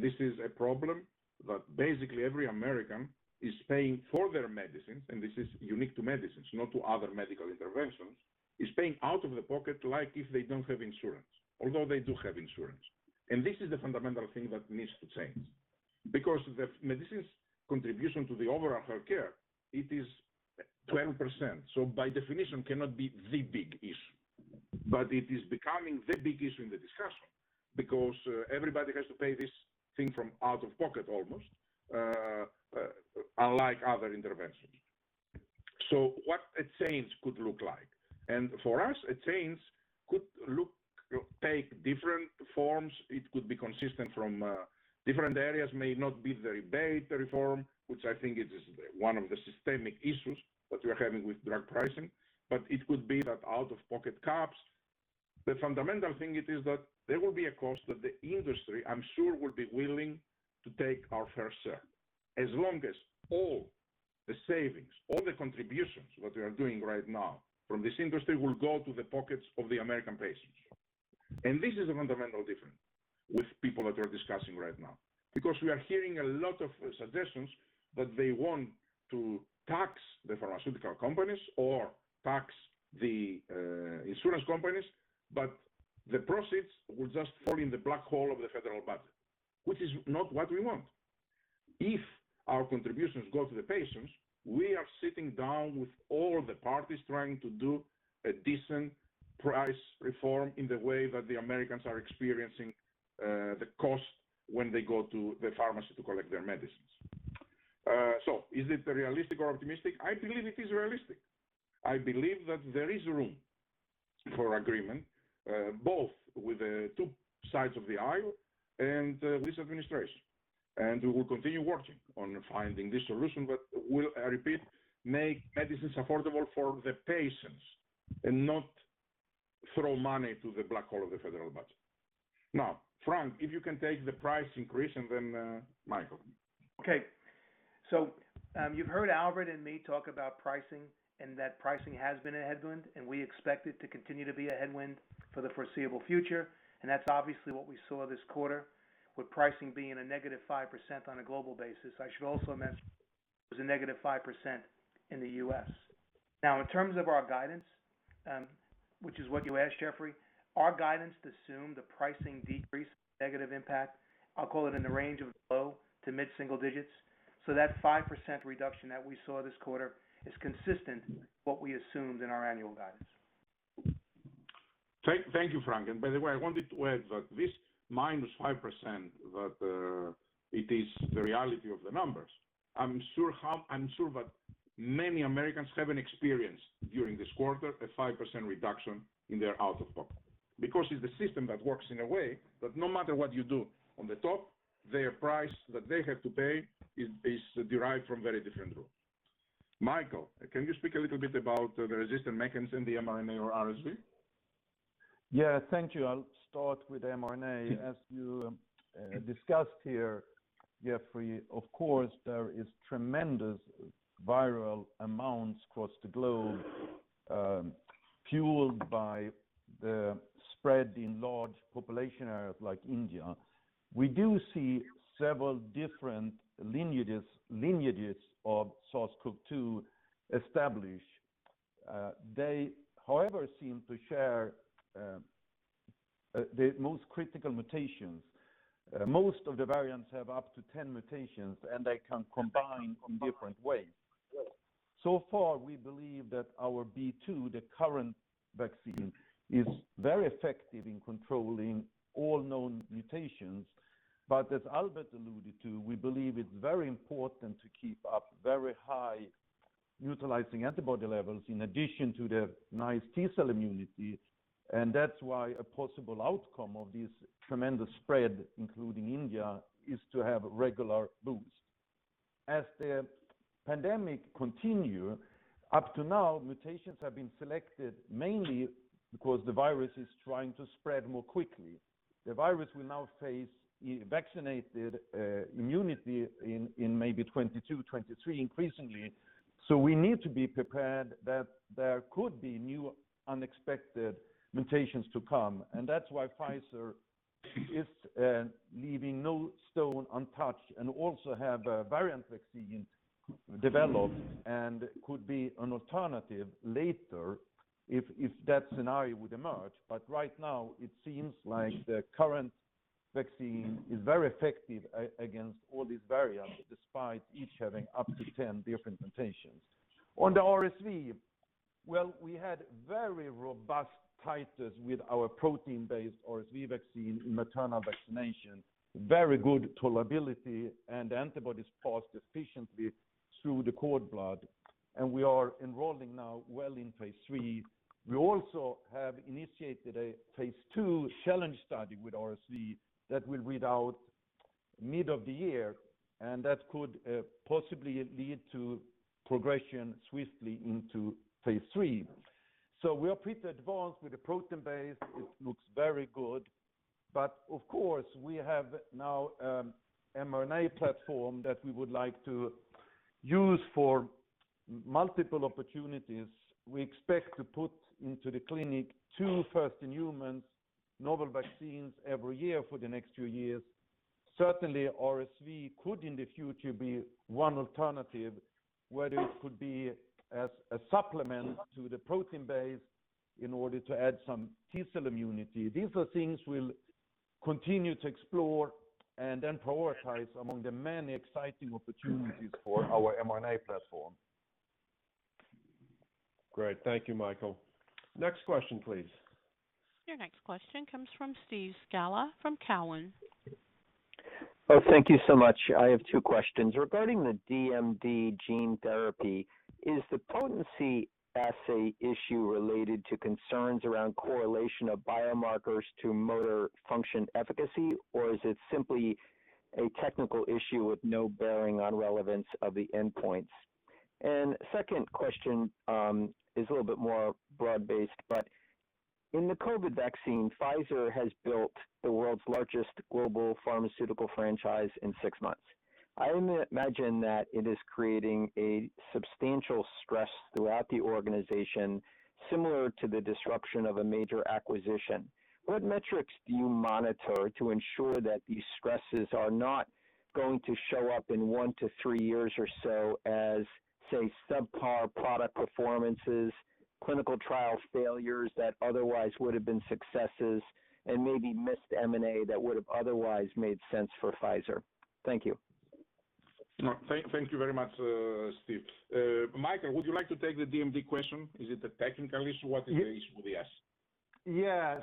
This is a problem that basically every American is paying for their medicines, and this is unique to medicines, not to other medical interventions, is paying out of the pocket like if they don't have insurance, although they do have insurance. This is the fundamental thing that needs to change. Because the medicines contribution to the overall healthcare, it is 12%, so by definition cannot be the big issue. It is becoming the big issue in the discussion, because everybody has to pay this thing from out of pocket almost, unlike other interventions. What a change could look like. For us, a change could take different forms. It could be consistent from different areas. May not be the rebate reform, which I think it is one of the systemic issues that we are having with drug pricing, but it could be that out-of-pocket caps. The fundamental thing it is that there will be a cost that the industry, I'm sure, will be willing to take our fair share. As long as all the savings, all the contributions that we are doing right now from this industry will go to the pockets of the American patients. This is a fundamental difference with people that we're discussing right now. Because we are hearing a lot of suggestions that they want to tax the pharmaceutical companies or tax the insurance companies, but the proceeds will just fall in the black hole of the federal budget, which is not what we want. If our contributions go to the patients, we are sitting down with all the parties trying to do a decent price reform in the way that the Americans are experiencing the cost when they go to the pharmacy to collect their medicines. Is it realistic or optimistic? I believe it is realistic. I believe that there is room for agreement, both with the two sides of the aisle and this administration. We will continue working on finding this solution, but we'll, I repeat, make medicines affordable for the patients and not throw money to the black hole of the federal budget. Now, Frank, if you can take the price increase, and then Michael. Okay. you've heard Albert and me talk about pricing and that pricing has been a headwind, and we expect it to continue to be a headwind for the foreseeable future, and that's obviously what we saw this quarter with pricing being a -5% on a global basis. I should also mention it was a -5% in the U.S. Now, in terms of our guidance, which is what you asked, Geoffrey Porges, our guidance assumed the pricing decrease negative impact, I'll call it in the range of low to mid-single digits. That 5% reduction that we saw this quarter is consistent with what we assumed in our annual guidance. Thank you, Frank. By the way, I wanted to add that this -5%, that it is the reality of the numbers. I'm sure that many Americans haven't experienced during this quarter a 5% reduction in their out-of-pocket. Because it's the system that works in a way that no matter what you do on the top, their price that they have to pay is derived from very different rules. Mikael Dolsten, can you speak a little bit about the resistant mechanisms in the mRNA or RSV? Yeah. Thank you. I'll start with mRNA. As you discussed here, Geoffrey, of course, there is tremendous viral amounts across the globe, fueled by the spread in large population areas like India. We do see several different lineages of SARS-CoV-2 establish. They, however, seem to share the most critical mutations. Most of the variants have up to 10 mutations, and they can combine in different ways. So far, we believe that our B2, the current vaccine, is very effective in controlling all known mutations. as Albert alluded to, we believe it's very important to keep up very highUtilizing antibody levels in addition to the nice T-cell immunity, and that's why a possible outcome of this tremendous spread, including India, is to have regular boosts. As the pandemic continue, up to now, mutations have been selected mainly because the virus is trying to spread more quickly. The virus will now face vaccinated immunity in maybe 2022, 2023 increasingly. We need to be prepared that there could be new unexpected mutations to come, and that's why Pfizer is leaving no stone untouched and also have a variant vaccine developed and could be an alternative later if that scenario would emerge. Right now, it seems like the current vaccine is very effective against all these variants, despite each having up to 10 different mutations. On the RSV, well, we had very robust titers with our protein-based RSV vaccine in maternal vaccination, very good tolerability, and antibodies passed efficiently through the cord blood, and we are enrolling now well in phase III. We also have initiated a phase II challenge study with RSV that will read out mid of the year, and that could possibly lead to progression swiftly into phase III. We are pretty advanced with the protein base. It looks very good. Of course, we have now mRNA platform that we would like to use for multiple opportunities. We expect to put into the clinic two first-in-humans novel vaccines every year for the next few years. Certainly, RSV could, in the future, be one alternative, whether it could be as a supplement to the protein base in order to add some T-cell immunity. These are things we'll continue to explore and then prioritize among the many exciting opportunities for our mRNA platform. Great. Thank you, Mikael. Next question, please. Your next question comes from Steve Scala from Cowen. Oh, thank you so much. I have two questions. Regarding the DMD gene therapy, is the potency assay issue related to concerns around correlation of biomarkers to motor function efficacy, or is it simply a technical issue with no bearing on relevance of the endpoints? Second question is a little bit more broad-based, but in the COVID vaccine, Pfizer has built the world's largest global pharmaceutical franchise in six months. I imagine that it is creating a substantial stress throughout the organization, similar to the disruption of a major acquisition. What metrics do you monitor to ensure that these stresses are not going to show up in one to three years or so as, say, subpar product performances, clinical trial failures that otherwise would have been successes, and maybe missed M&A that would've otherwise made sense for Pfizer? Thank you. No, thank you very much, Steve. Mikael, would you like to take the DMD question? Is it a technical issue? What is the issue with the assay? Yeah.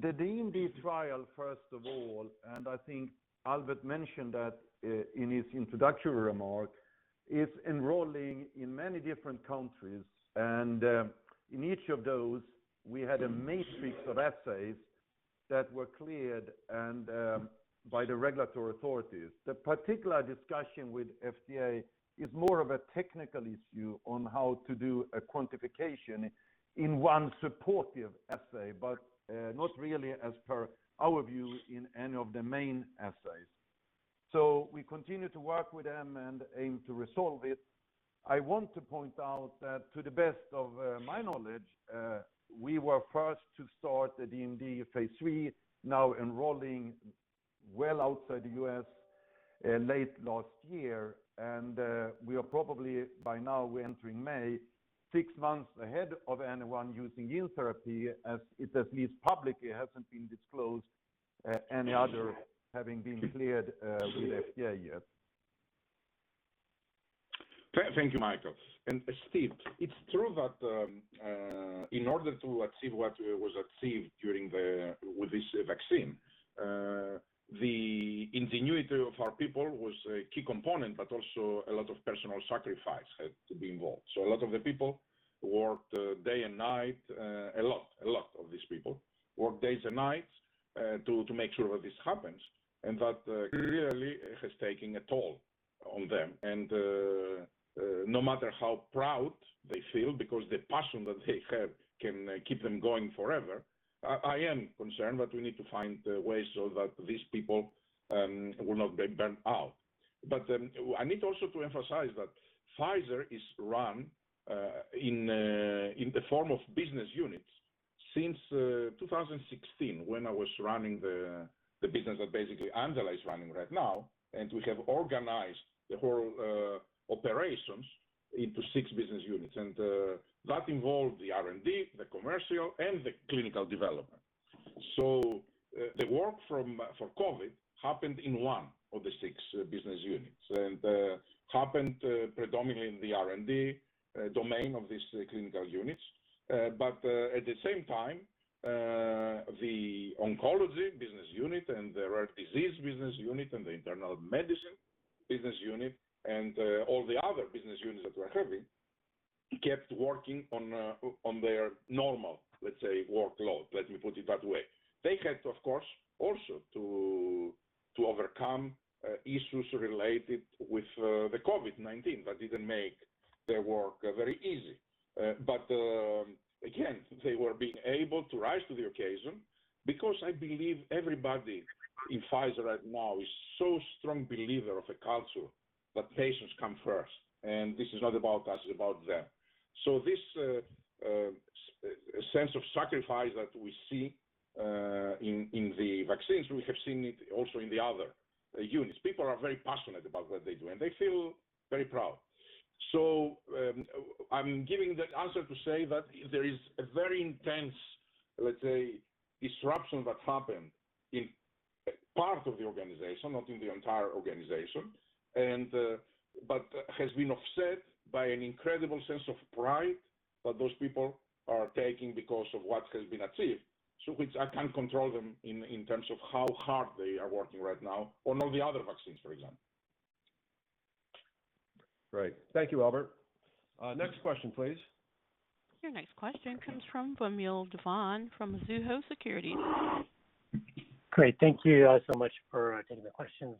The DMD trial, first of all, and I think Albert mentioned that in his introductory remark, is enrolling in many different countries. In each of those, we had a matrix of assays that were cleared by the regulatory authorities. The particular discussion with FDA is more of a technical issue on how to do a quantification in one supportive assay, but not really as per our view in any of the main assays. We continue to work with them and aim to resolve it. I want to point out that to the best of my knowledge, we were first to start the DMD phase III, now enrolling well outside the U.S. late last year. We are probably by now, we're entering May, six months ahead of anyone using gene therapy, as it at least publicly hasn't been disclosed any other having been cleared with FDA yet. Thank you, Mikael. Steve, it's true that in order to achieve what was achieved with this vaccine, the ingenuity of our people was a key component, but also a lot of personal sacrifice had to be involved. A lot of the people worked day and night. A lot of these people worked days and nights to make sure that this happens, and that really has taken a toll on them. No matter how proud they feel because the passion that they have can keep them going forever, I am concerned that we need to find ways so that these people will not get burnt out. I need also to emphasize that Pfizer is run in the form of business units since 2016 when I was running the business that basically Angela is running right now, and we have organized the whole operations into six business units. That involved the R&D, the commercial, and the clinical development. The work for COVID happened in one of the six business units and happened predominantly in the R&D domain of these clinical units. At the same time, the oncology business unit and the rare disease business unit and the internal medicine business unit and all the other business units that we're having, kept working on their normal, let's say, workload. Let me put it that way. They had, of course, also to overcome issues related with the COVID-19 that didn't make their work very easy. Again, they were being able to rise to the occasion, because I believe everybody in Pfizer right now is so strong believer of a culture that patients come first. this is not about us, it's about them. This sense of sacrifice that we see in the vaccines, we have seen it also in the other units. People are very passionate about what they do, and they feel very proud. I'm giving that answer to say that there is a very intense, let's say, disruption that happened in part of the organization, not in the entire organization, but has been offset by an incredible sense of pride that those people are taking because of what has been achieved. which I can't control them in terms of how hard they are working right now on all the other vaccines, for example. Great. Thank you, Albert. Next question, please. Your next question comes from Vamil Divan from Mizuho Securities. Great. Thank you guys so much for taking the questions.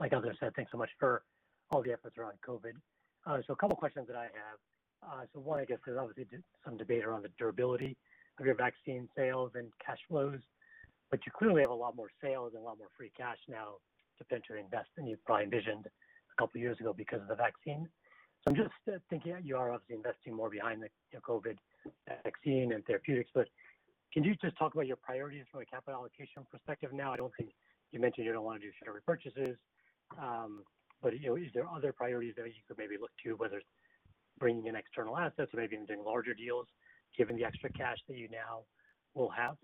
Like others said, thanks so much for all the efforts around COVID. A couple of questions that I have. One, I guess, because obviously some debate around the durability of your vaccine sales and cash flows, but you clearly have a lot more sales and a lot more free cash now to potentially invest than you probably envisioned a couple of years ago because of the vaccine. I'm just thinking you are obviously investing more behind the COVID vaccine and therapeutics, but can you just talk about your priorities from a capital allocation perspective now? I don't think you mentioned you don't want to do share repurchases. Is there other priorities that you could maybe look to, whether it's bringing in external assets or maybe even doing larger deals, given the extra cash that you now will have?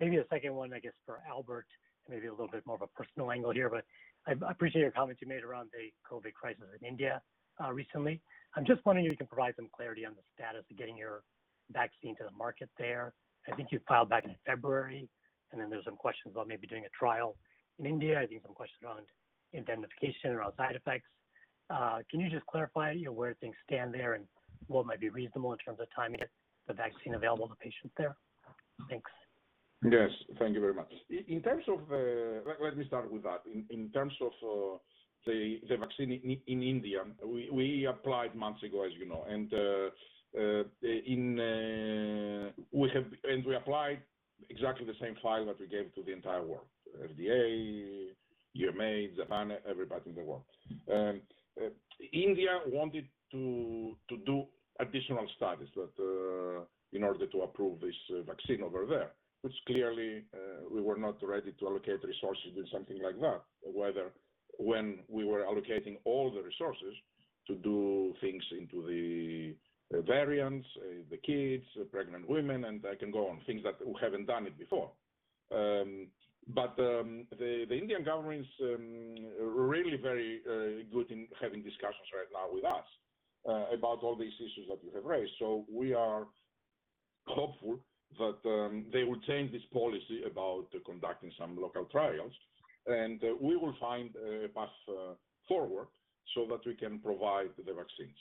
Maybe the second one, I guess for Albert, maybe a little bit more of a personal angle here, but I appreciate your comments you made around the COVID crisis in India recently. I'm just wondering if you can provide some clarity on the status of getting your vaccine to the market there. I think you filed back in February, and then there's some questions about maybe doing a trial in India. I think some questions around indemnification or side effects. Can you just clarify where things stand there and what might be reasonable in terms of timing to get the vaccine available to patients there? Thanks. Yes. Thank you very much. Let me start with that. In terms of the vaccine in India, we applied months ago, as you know. We applied exactly the same file that we gave to the entire world, FDA, EMA, Japan, everybody in the world. India wanted to do additional studies in order to approve this vaccine over there, which clearly we were not ready to allocate resources in something like that. When we were allocating all the resources to do things into the variants, the kids, pregnant women, and I can go on, things that we haven't done it before. The Indian government's really very good in having discussions right now with us about all these issues that you have raised. We are hopeful that they will change this policy about conducting some local trials. We will find a path forward so that we can provide the vaccines.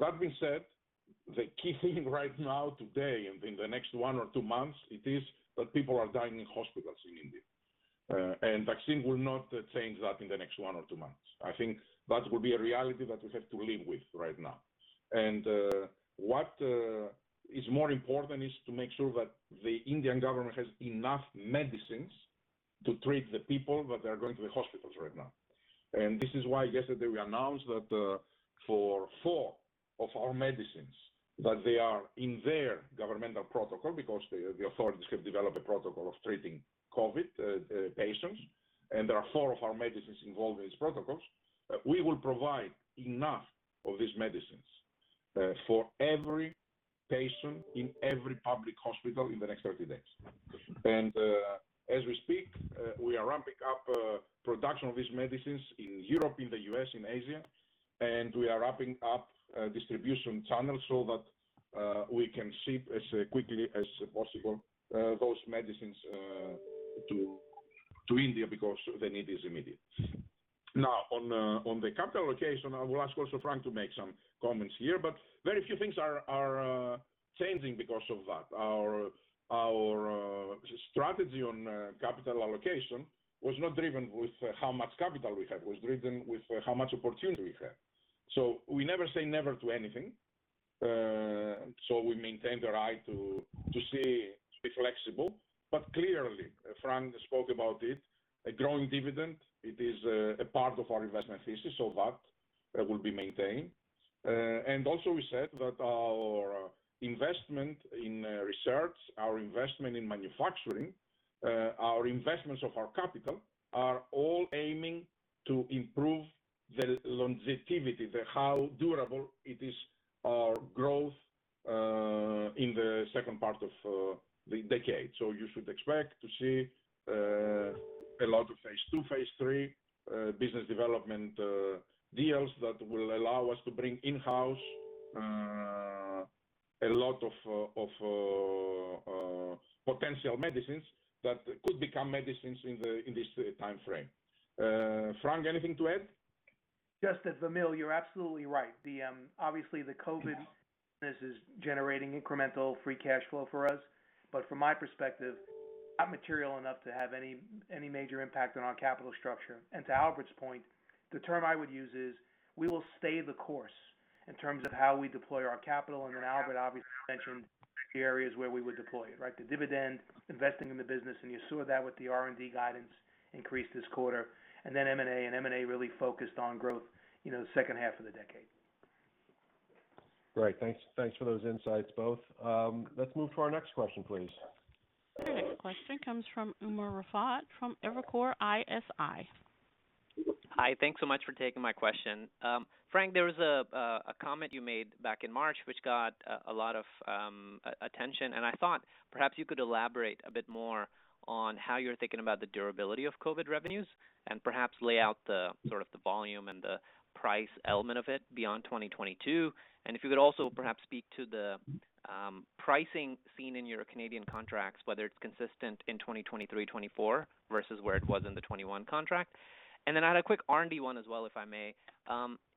That being said, the key thing right now today and in the next one or two months, it is that people are dying in hospitals in India. vaccine will not change that in the next one or two months. I think that will be a reality that we have to live with right now. What is more important is to make sure that the Indian government has enough medicines to treat the people that are going to the hospitals right now. This is why yesterday we announced that for four of our medicines, that they are in their governmental protocol because the authorities have developed a protocol of treating COVID patients, and there are four of our medicines involved in these protocols. We will provide enough of these medicines for every patient in every public hospital in the next 30 days. As we speak, we are ramping up production of these medicines in Europe, in the U.S., in Asia, and we are ramping up distribution channels so that we can ship as quickly as possible those medicines to India because the need is immediate. Now on the capital allocation, I will ask also Frank to make some comments here, but very few things are changing because of that. Our strategy on capital allocation was not driven with how much capital we have, was driven with how much opportunity we have. We never say never to anything. We maintain the right to stay flexible. Clearly, Frank spoke about it, a growing dividend, it is a part of our investment thesis, so that will be maintained. Also we said that our investment in research, our investment in manufacturing, our investments of our capital are all aiming to improve the longevity, the how durable it is our growth in the second part of the decade. You should expect to see a lot of phase II, phase III business development deals that will allow us to bring in-house a lot of potential medicines that could become medicines in this timeframe. Frank, anything to add? Just that, Vamil, you're absolutely right. Obviously, the COVID business is generating incremental free cash flow for us, but from my perspective, not material enough to have any major impact on our capital structure. To Albert's point, the term I would use is we will stay the course in terms of how we deploy our capital. Albert obviously mentioned the areas where we would deploy it, right? The dividend, investing in the business, and you saw that with the R&D guidance increase this quarter, and then M&A, and M&A really focused on growth the second half of the decade. Great. Thanks for those insights, both. Let's move to our next question, please. Your next question comes from Umer Raffat from Evercore ISI. Hi. Thanks so much for taking my question. Frank, there was a comment you made back in March which got a lot of attention, and I thought perhaps you could elaborate a bit more on how you're thinking about the durability of COVID revenues and perhaps lay out the volume and the price element of it beyond 2022. If you could also perhaps speak to the pricing seen in your Canadian contracts, whether it's consistent in 2023, 2024, versus where it was in the 2021 contract. I had a quick R&D one as well, if I may.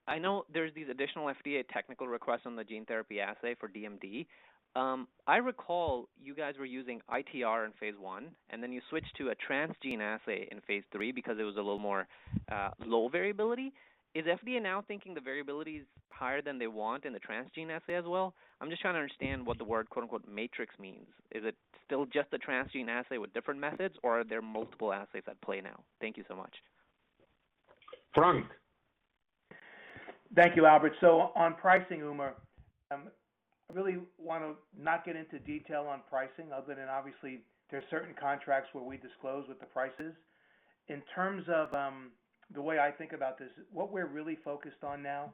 I know there's these additional FDA technical requests on the gene therapy assay for DMD. I recall you guys were using ITR in phase I, and then you switched to a transgene assay in phase III because it was a little more low variability. Is FDA now thinking the variability's higher than they want in the transgene assay as well? I'm just trying to understand what the word "matrix" means. Is it still just a transgene assay with different methods, or are there multiple assays at play now? Thank you so much. Frank? Thank you, Albert. On pricing, Umer, I really want to not get into detail on pricing other than obviously there's certain contracts where we disclose what the price is. In terms of the way I think about this, what we're really focused on now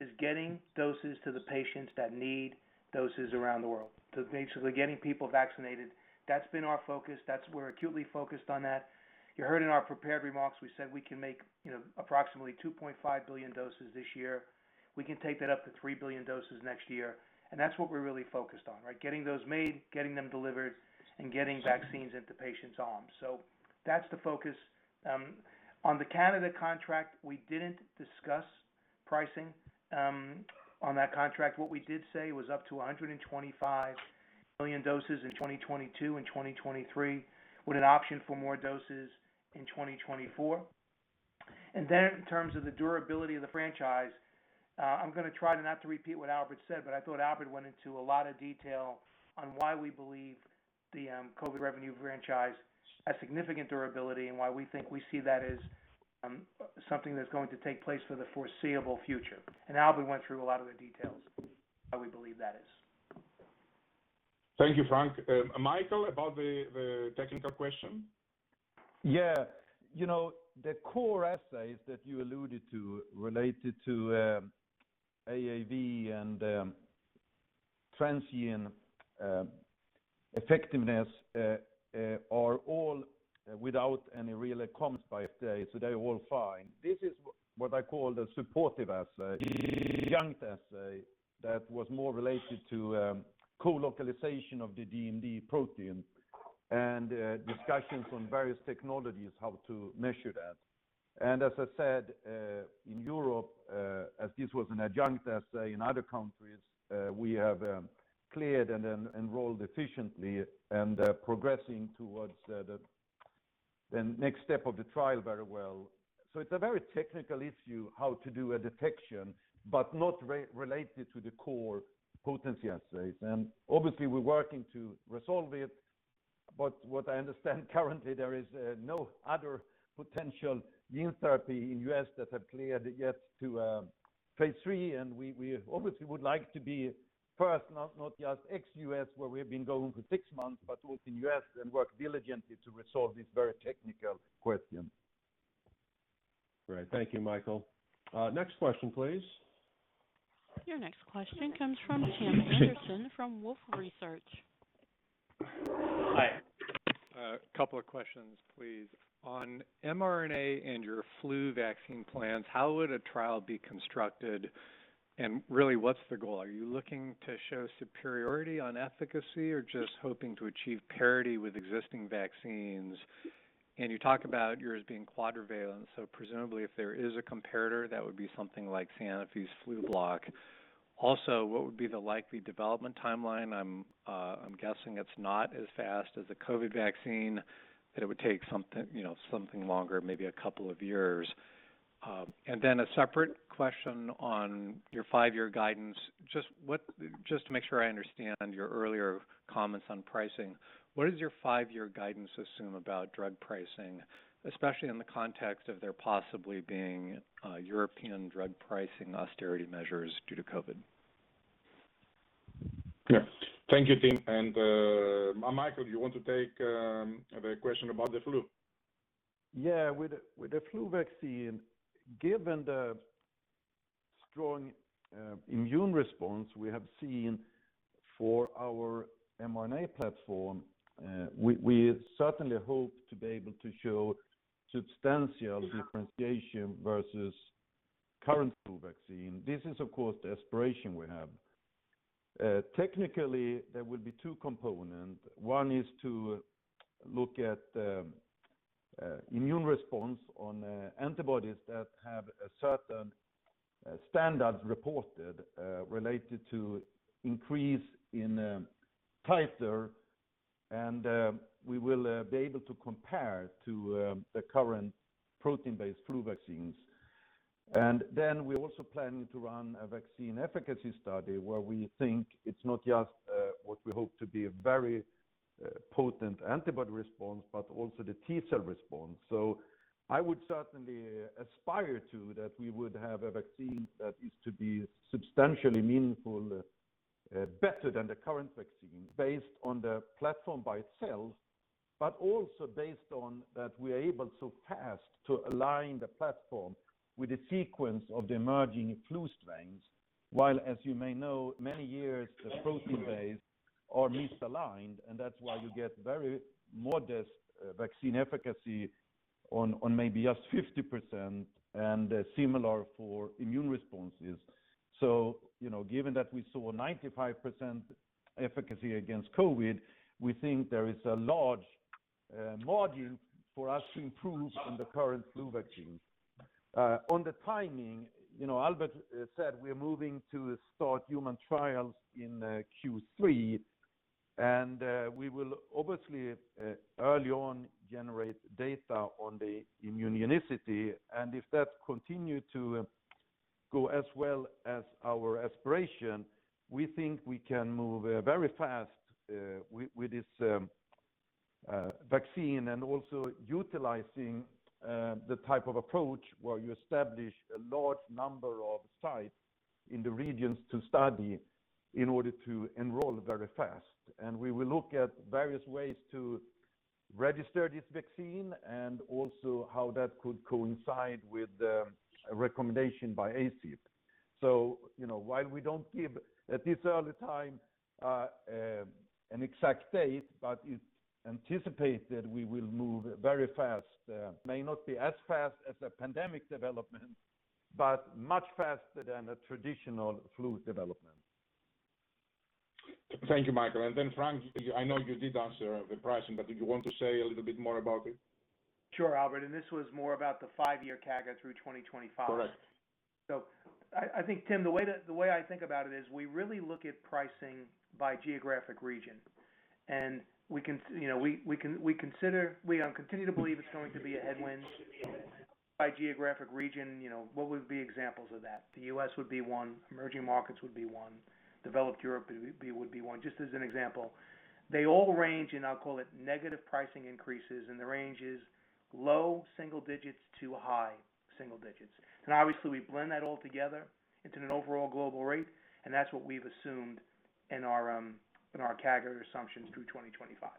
is getting doses to the patients that need doses around the world. Basically, getting people vaccinated. That's been our focus. We're acutely focused on that. You heard in our prepared remarks, we said we can make approximately 2.5 billion doses this year. We can take that up to 3 billion doses next year, and that's what we're really focused on, right? Getting those made, getting them delivered, and getting vaccines into patients' arms. That's the focus. On the Canada contract, we didn't discuss pricing on that contract. What we did say was up to 125 million doses in 2022 and 2023 with an option for more doses in 2024. In terms of the durability of the franchise, I'm going to try not to repeat what Albert said, but I thought Albert went into a lot of detail on why we believe the COVID revenue franchise has significant durability and why we think we see that as something that's going to take place for the foreseeable future. Albert went through a lot of the details of why we believe that is. Thank you, Frank. Mikael, about the technical question? Yeah. The core assays that you alluded to related to AAV and transient effectiveness are all without any real compromise today, so they're all fine. This is what I call the supportive assay, the adjunct assay that was more related to colocalization of the DMD protein and discussions on various technologies, how to measure that. As I said, in Europe, as this was an adjunct assay in other countries, we have cleared and enrolled efficiently and are progressing towards the next step of the trial very well. It's a very technical issue, how to do a detection, but not related to the core potency assays. Obviously, we're working to resolve it. What I understand currently, there is no other potential gene therapy in the U.S. that have cleared it yet to phase III, and we obviously would like to be first, not just ex-U.S. Where we have been going for six months, but within U.S. and work diligently to resolve this very technical question. Great. Thank you, Mikael. Next question, please. Your next question comes from Tim Anderson from Wolfe Research. Hi. A couple of questions, please. On mRNA and your flu vaccine plans, how would a trial be constructed, and really, what's the goal? Are you looking to show superiority on efficacy or just hoping to achieve parity with existing vaccines? You talk about yours being quadrivalent, so presumably, if there is a comparator, that would be something like Sanofi's Flublok. Also, what would be the likely development timeline? I'm guessing it's not as fast as the COVID vaccine, that it would take something longer, maybe a couple of years. A separate question on your five-year guidance. Just to make sure I understand your earlier comments on pricing, what does your five-year guidance assume about drug pricing, especially in the context of there possibly being European drug pricing austerity measures due to COVID? Yeah. Thank you, Tim, and Mikael, do you want to take the question about the flu? Yeah. With the flu vaccine, given the strong immune response we have seen for our mRNA platform, we certainly hope to be able to show substantial differentiation versus current flu vaccine. This is, of course, the aspiration we have. Technically, there will be two components. One is to look at the immune response on antibodies that have a certain standard reported, related to increase in titer, and we will be able to compare to the current protein-based flu vaccines. We're also planning to run a vaccine efficacy study where we think it's not just what we hope to be a very potent antibody response, but also the T-cell response. I would certainly aspire to that we would have a vaccine that is to be substantially meaningful, better than the current vaccine based on the platform by itself, but also based on that we are able so fast to align the platform with the sequence of the emerging flu strains, while as you may know, many years the protein-based are misaligned, and that's why you get very modest vaccine efficacy on maybe just 50% and similar for immune responses. Given that we saw 95% efficacy against COVID, we think there is a large margin for us to improve on the current flu vaccine. On the timing, Albert said we're moving to start human trials in Q3, and we will obviously, early on, generate data on the immunogenicity, and if that continue to go as well as our aspiration, we think we can move very fast with this vaccine and also utilizing the type of approach where you establish a large number of sites in the regions to study in order to enroll very fast. We will look at various ways to register this vaccine and also how that could coincide with a recommendation by ACIP. While we don't give, at this early time, an exact date, but it's anticipated we will move very fast. May not be as fast as a pandemic development, but much faster than a traditional flu development. Thank you, Mikael. Frank, I know you did answer the pricing, but did you want to say a little bit more about it? Sure, Albert, this was more about the five-year CAGR through 2025. Correct. I think, Tim, the way I think about it is we really look at pricing by geographic region, and we continue to believe it's going to be a headwind by geographic region. What would be examples of that? The U.S. would be one, emerging markets would be one, developed Europe would be one, just as an example. They all range in, I'll call it, negative pricing increases, and the range is low single digits to high single digits. Obviously, we blend that all together into an overall global rate, and that's what we've assumed in our CAGR assumptions through 2025.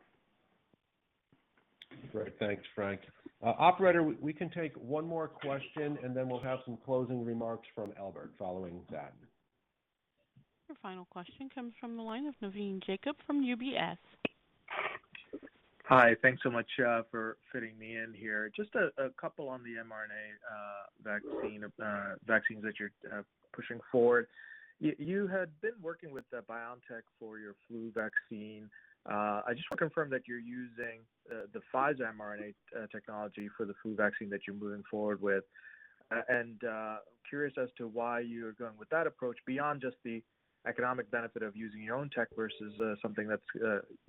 Great. Thanks, Frank. Operator, we can take one more question, and then we'll have some closing remarks from Albert following that. Your final question comes from the line of Navin Jacob from UBS. Hi. Thanks so much for fitting me in here. Just a couple on the mRNA vaccines that you're pushing forward. You had been working with BioNTech for your flu vaccine. I just want to confirm that you're using the Pfizer mRNA technology for the flu vaccine that you're moving forward with. I'm curious as to why you're going with that approach beyond just the economic benefit of using your own tech versus something that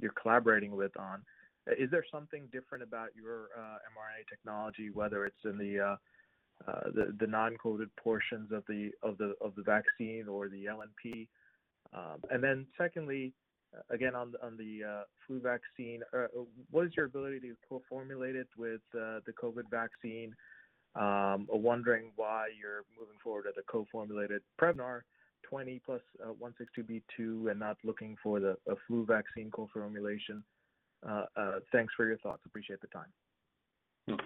you're collaborating with on. Is there something different about your mRNA technology, whether it's in the non-coded portions of the vaccine or the LNP? Secondly, again, on the flu vaccine, what is your ability to co-formulate it with the COVID vaccine? I'm wondering why you're moving forward as a co-formulated Prevnar 20+ BNT162b2 and not looking for the flu vaccine co-formulation. Thanks for your thoughts. Appreciate the time.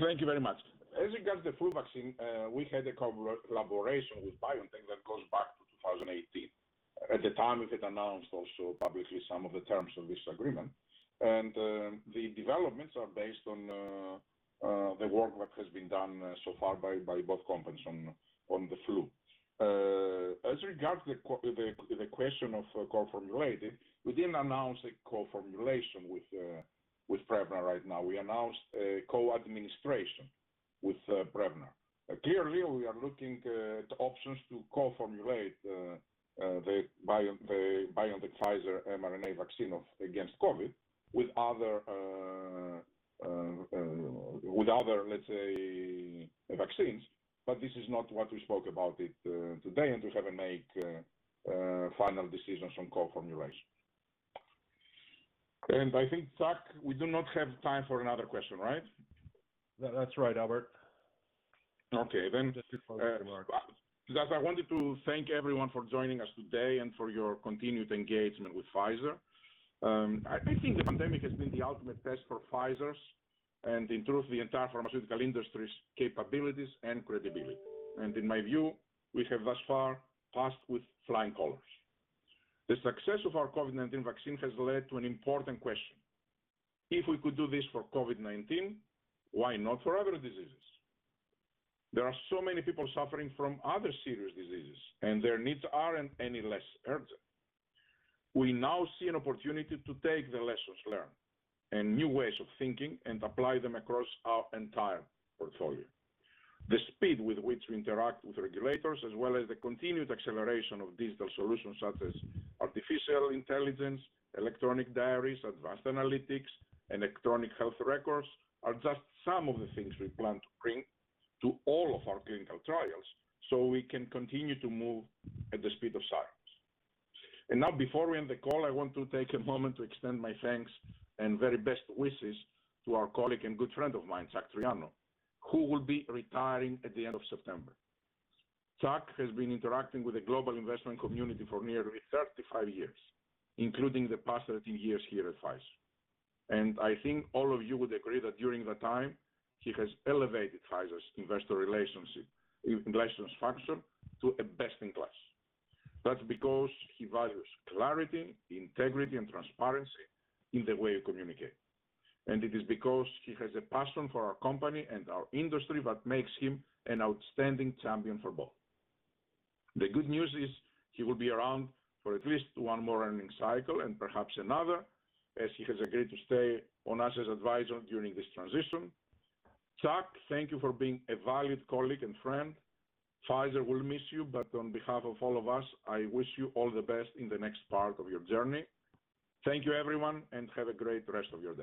Thank you very much. As regards the flu vaccine, we had a collaboration with BioNTech that goes back to 2018. At the time, we had announced also publicly some of the terms of this agreement. the developments are based on the work that has been done so far by both companies on the flu. As regards to the question of co-formulated, we didn't announce a co-formulation with Prevnar right now. We announced a co-administration with Prevnar. Clearly, we are looking at options to co-formulate the BioNTech Pfizer mRNA vaccine against COVID with other, let's say, vaccines, but this is not what we spoke about it today, and we haven't made final decisions on co-formulation. I think, Chuck, we do not have time for another question, right? That's right, Albert. Guys, I wanted to thank everyone for joining us today and for your continued engagement with Pfizer. I think the pandemic has been the ultimate test for Pfizer's, and in truth, the entire pharmaceutical industry's capabilities and credibility. In my view, we have thus far passed with flying colors. The success of our COVID-19 vaccine has led to an important question. If we could do this for COVID-19, why not for other diseases? There are so many people suffering from other serious diseases, and their needs aren't any less urgent. We now see an opportunity to take the lessons learned and new ways of thinking and apply them across our entire portfolio. The speed with which we interact with regulators, as well as the continued acceleration of digital solutions such as artificial intelligence, electronic diaries, advanced analytics, and electronic health records, are just some of the things we plan to bring to all of our clinical trials so we can continue to move at the speed of science. Now before we end the call, I want to take a moment to extend my thanks and very best wishes to our colleague and good friend of mine, Chuck Triano, who will be retiring at the end of September. Chuck has been interacting with the global investment community for nearly 35 years, including the past 13 years here at Pfizer. I think all of you would agree that during that time, he has elevated Pfizer's investor relations function to a best-in-class. That's because he values clarity, integrity, and transparency in the way you communicate. It is because he has a passion for our company and our industry that makes him an outstanding champion for both. The good news is he will be around for at least one more earnings cycle and perhaps another, as he has agreed to stay on us as advisor during this transition. Chuck, thank you for being a valued colleague and friend. Pfizer will miss you, but on behalf of all of us, I wish you all the best in the next part of your journey. Thank you, everyone, and have a great rest of your day